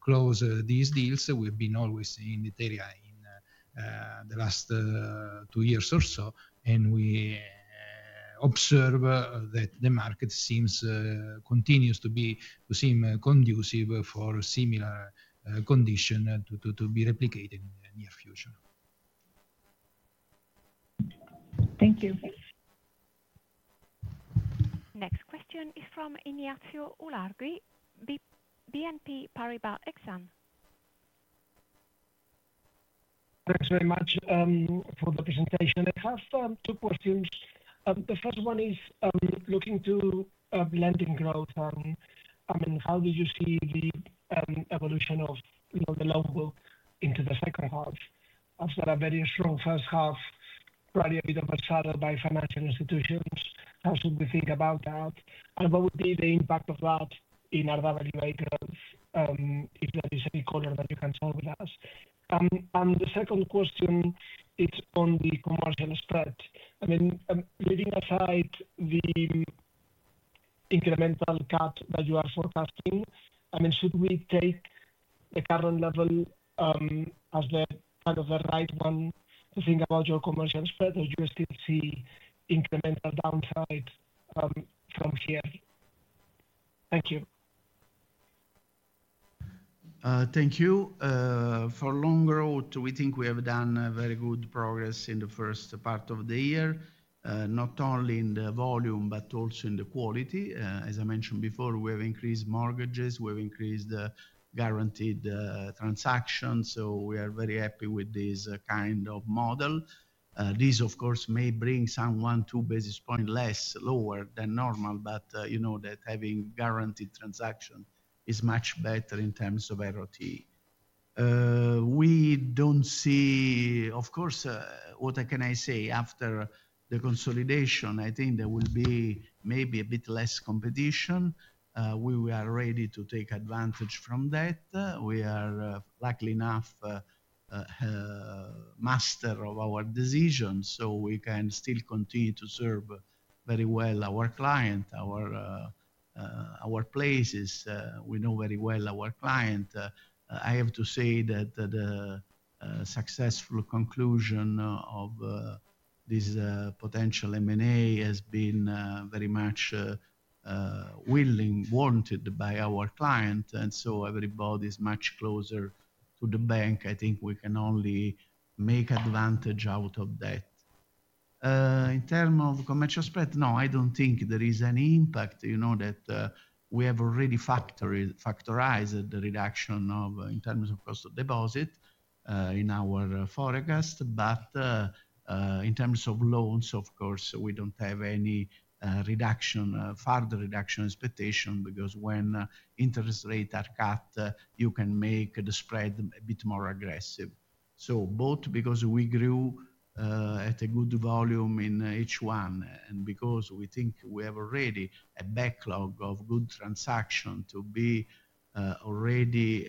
[SPEAKER 4] close these deals. We've been always in this area in the last two years or so and we observe that the market seems to continue to be conducive for similar conditions to be replicated in the near future.
[SPEAKER 1] Thank you. Next question is from Ignacio Ularqui, BNP Paribas Exane.
[SPEAKER 8] Thanks very much for the presentation. I have two questions. The first one is looking to blend in growth and how do you see the evolution of the loan book into the second half? After a very strong first half, probably a bit overshadowed by financial institutions. How should we think about that and what would be the impact of that in asset-liability management vehicles? If there is any color that you can share with us. The second question is on the commercial spread. I mean leaving aside the incremental cut that you are forecasting, should we take the current natural issue as the kind of the right one to think about your commercial spread or do you still see incremental downside from here? Thank you.
[SPEAKER 3] Thank you for long road. We think we have done very good progress in the first part of the year, not only in the volume but also in the quality. As I mentioned before, we have increased mortgages, we have increased guaranteed transactions, so we are very happy with this kind of model. This of course may bring someone 2 basis points less lower than normal, but you know that having guaranteed transactions is much better in terms of ROT. We don't see, of course, what can I say? After the consolidation, I think there will be maybe a bit less competition. We are ready to take advantage from that. We are luckily enough master of our decisions, so we can still continue to serve very well our client, our places. We know very well our client. I have to say that the successful conclusion of this potential M&A has been very much willing warranted by our client, and so everybody is much closer to the bank. I think we can only make advantage out of that. In terms of commercial spread, no, I don't think there is any impact. You know that we have already factorized the reduction in terms of cost of deposit in our forecast, but in terms of loans, of course, we don't have any further reduction expectation because when interest rates are cut, you can make the spread a bit more aggressive. Both because we grew at a good volume in H1 and because we think we have already a backlog of good transactions to be already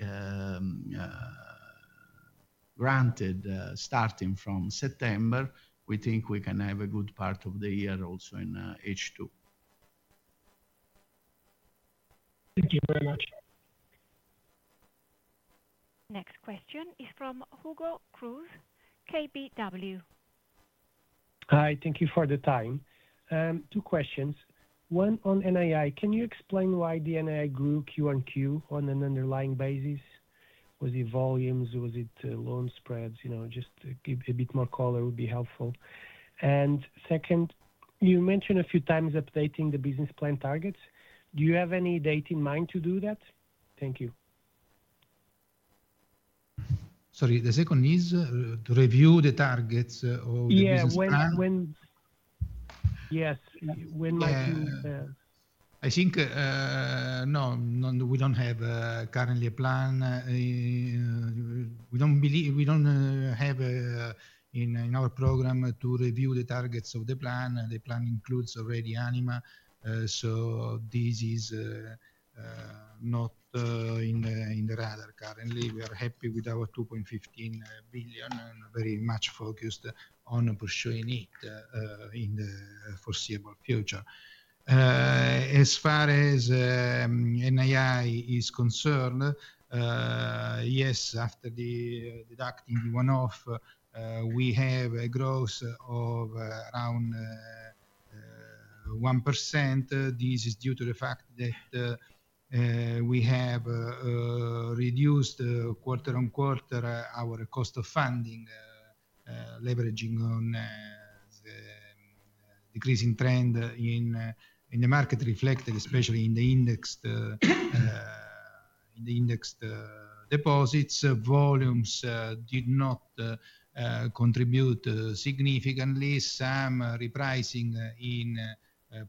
[SPEAKER 3] granted starting from September, we think we can have a good part of the year also in H2.
[SPEAKER 8] Thank you very much.
[SPEAKER 1] Next question is from Hugo Cruz, KBW.
[SPEAKER 9] Hi, thank you for the time. Two questions, one on NII. Can you explain why the NII grew quarter-on-quarter on an underlying basis? Was it volumes? Was it loan spreads? Just give a bit more color would be helpful. You mentioned a few times updating the business plan targets. Do you have any date in mind to do that? Thank you.
[SPEAKER 4] Sorry. The second is review the targets.
[SPEAKER 9] Yes. When might you.
[SPEAKER 4] No, we don't have currently a plan. We don't believe we don't have in our program to review the targets of the plan. The plan includes already Anima. This is not in the rather currently we are happy with our 2.15 billion and very much focused on pursuing it in the foreseeable future. As far as NII is concerned, yes, after deducting the one-off we have a growth of around 1%. This is due to the fact that we have reduced quarter on quarter our cost of funding, leveraging on the decreasing trend in the market reflected especially in the indexed deposits. Volumes did not contribute significantly. Some repricing and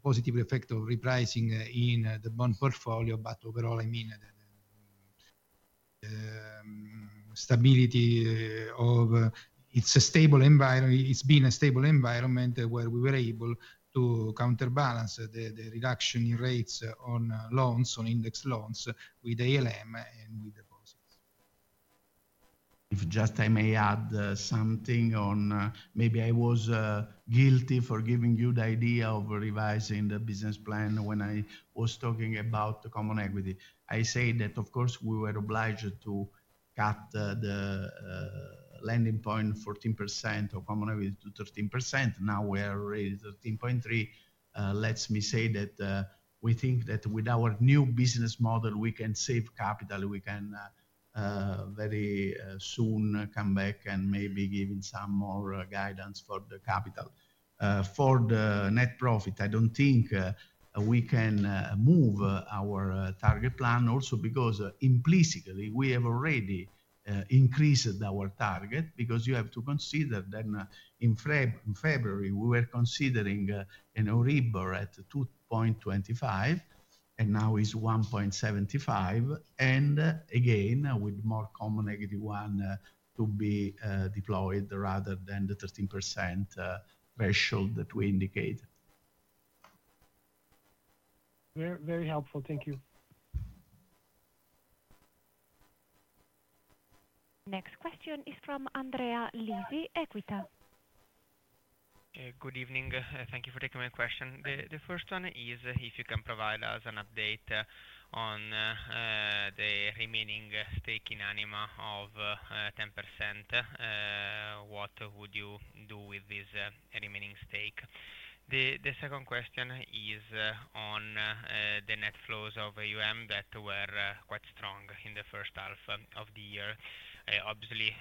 [SPEAKER 4] positive effect of repricing in the bond portfolio, but overall, I mean stability of it's a stable environment. It's been a stable environment where we were able to counterbalance the reduction in rates on loans, on index loans, with ALM and with the process.
[SPEAKER 3] If I may add something on, maybe I was guilty for giving you the idea of revising the business plan when I was talking about the Common Equity ratio. I say that of course we were obliged to cut the landing point 14% of common to 13%. Now we are really 13.3%. Let me say that we think that with our new business model we can save capital. We can very soon come back and maybe give some more guidance for the capital for the net profit. I don't think we can move our target plan also because implicitly we have already increased our target. You have to consider that in February we were considering an Euribor at 2.25% and now it is 1.75%, and again with more common negative one to be deployed rather than the 13% threshold that we indicate.
[SPEAKER 9] Very, very helpful. Thank you.
[SPEAKER 1] Next question is from Andrea Lisi, Equita.
[SPEAKER 10] Good evening. Thank you for taking my question. The first one is if you can provide us an update on the remaining stake in Anima of 10%. What would you do with this remaining stake? The second question is on the net flows of AUM that were quite strong in the first half of the year. Obviously,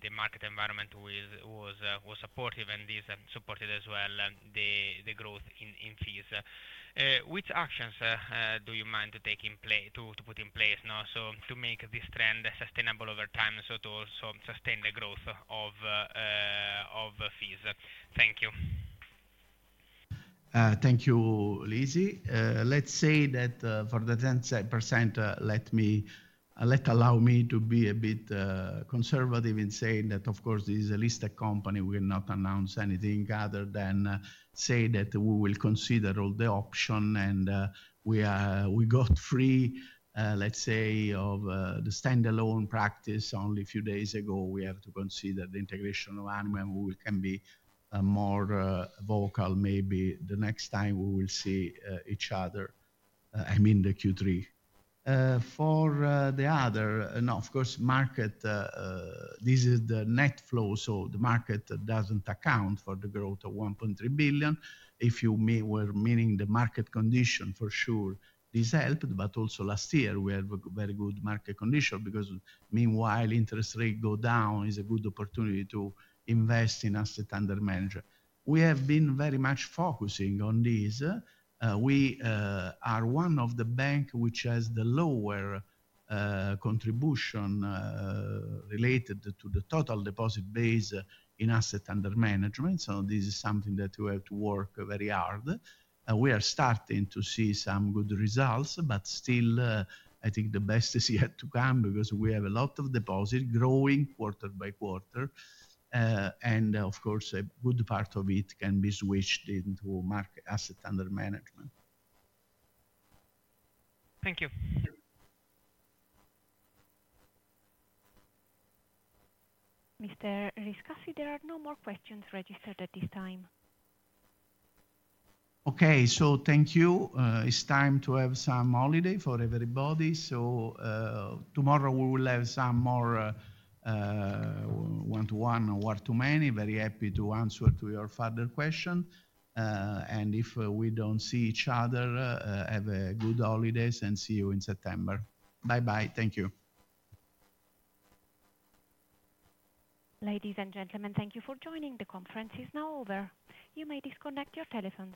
[SPEAKER 10] the market environment was supportive, and these supported as well the growth in fees, which actions do you mind to take in play to put in place to make this trend sustainable over time? To also sustain the growth of fees. Thank you.
[SPEAKER 3] Thank you Lisi. Let's say that for the 10%, let me be a bit conservative in saying that of course this is a listed company. I will not announce anything other than say that we will consider all the options and we got free of the standalone practice only a few days ago. We have to consider the integration of Anima. We can be more vocal maybe the next time we will see each other, I mean the Q3 for the other, and of course market. This is the net flow, so the market doesn't account for the growth of 1.3 billion. If you may, we were meaning the market condition for sure. This helped, but also last year we had a very good market condition because meanwhile interest rate go down, it is a good opportunity to invest in asset under management. We have been very much focusing on this. We are one of the banks which has the lower contribution related to the total deposit base in assets under management, so this is something that you have to work very hard. We are starting to see some good results, but still I think the best is yet to come because we have a lot of deposits growing quarter by quarter, and of course a good part of it can be switched into market assets under management.
[SPEAKER 10] Thank you.
[SPEAKER 1] Mr. Giuseppe, there are no more questions registered at this time.
[SPEAKER 3] Okay, so thank you. It's time to have some holiday for everybody. Tomorrow we will have some more one to one or too many. Very happy to answer to your further question, and if we don't see each other, have a good holidays and see you in September. Bye bye. Thank you.
[SPEAKER 1] Ladies and gentlemen, thank you for joining. The conference is now over. You may disconnect your telephones.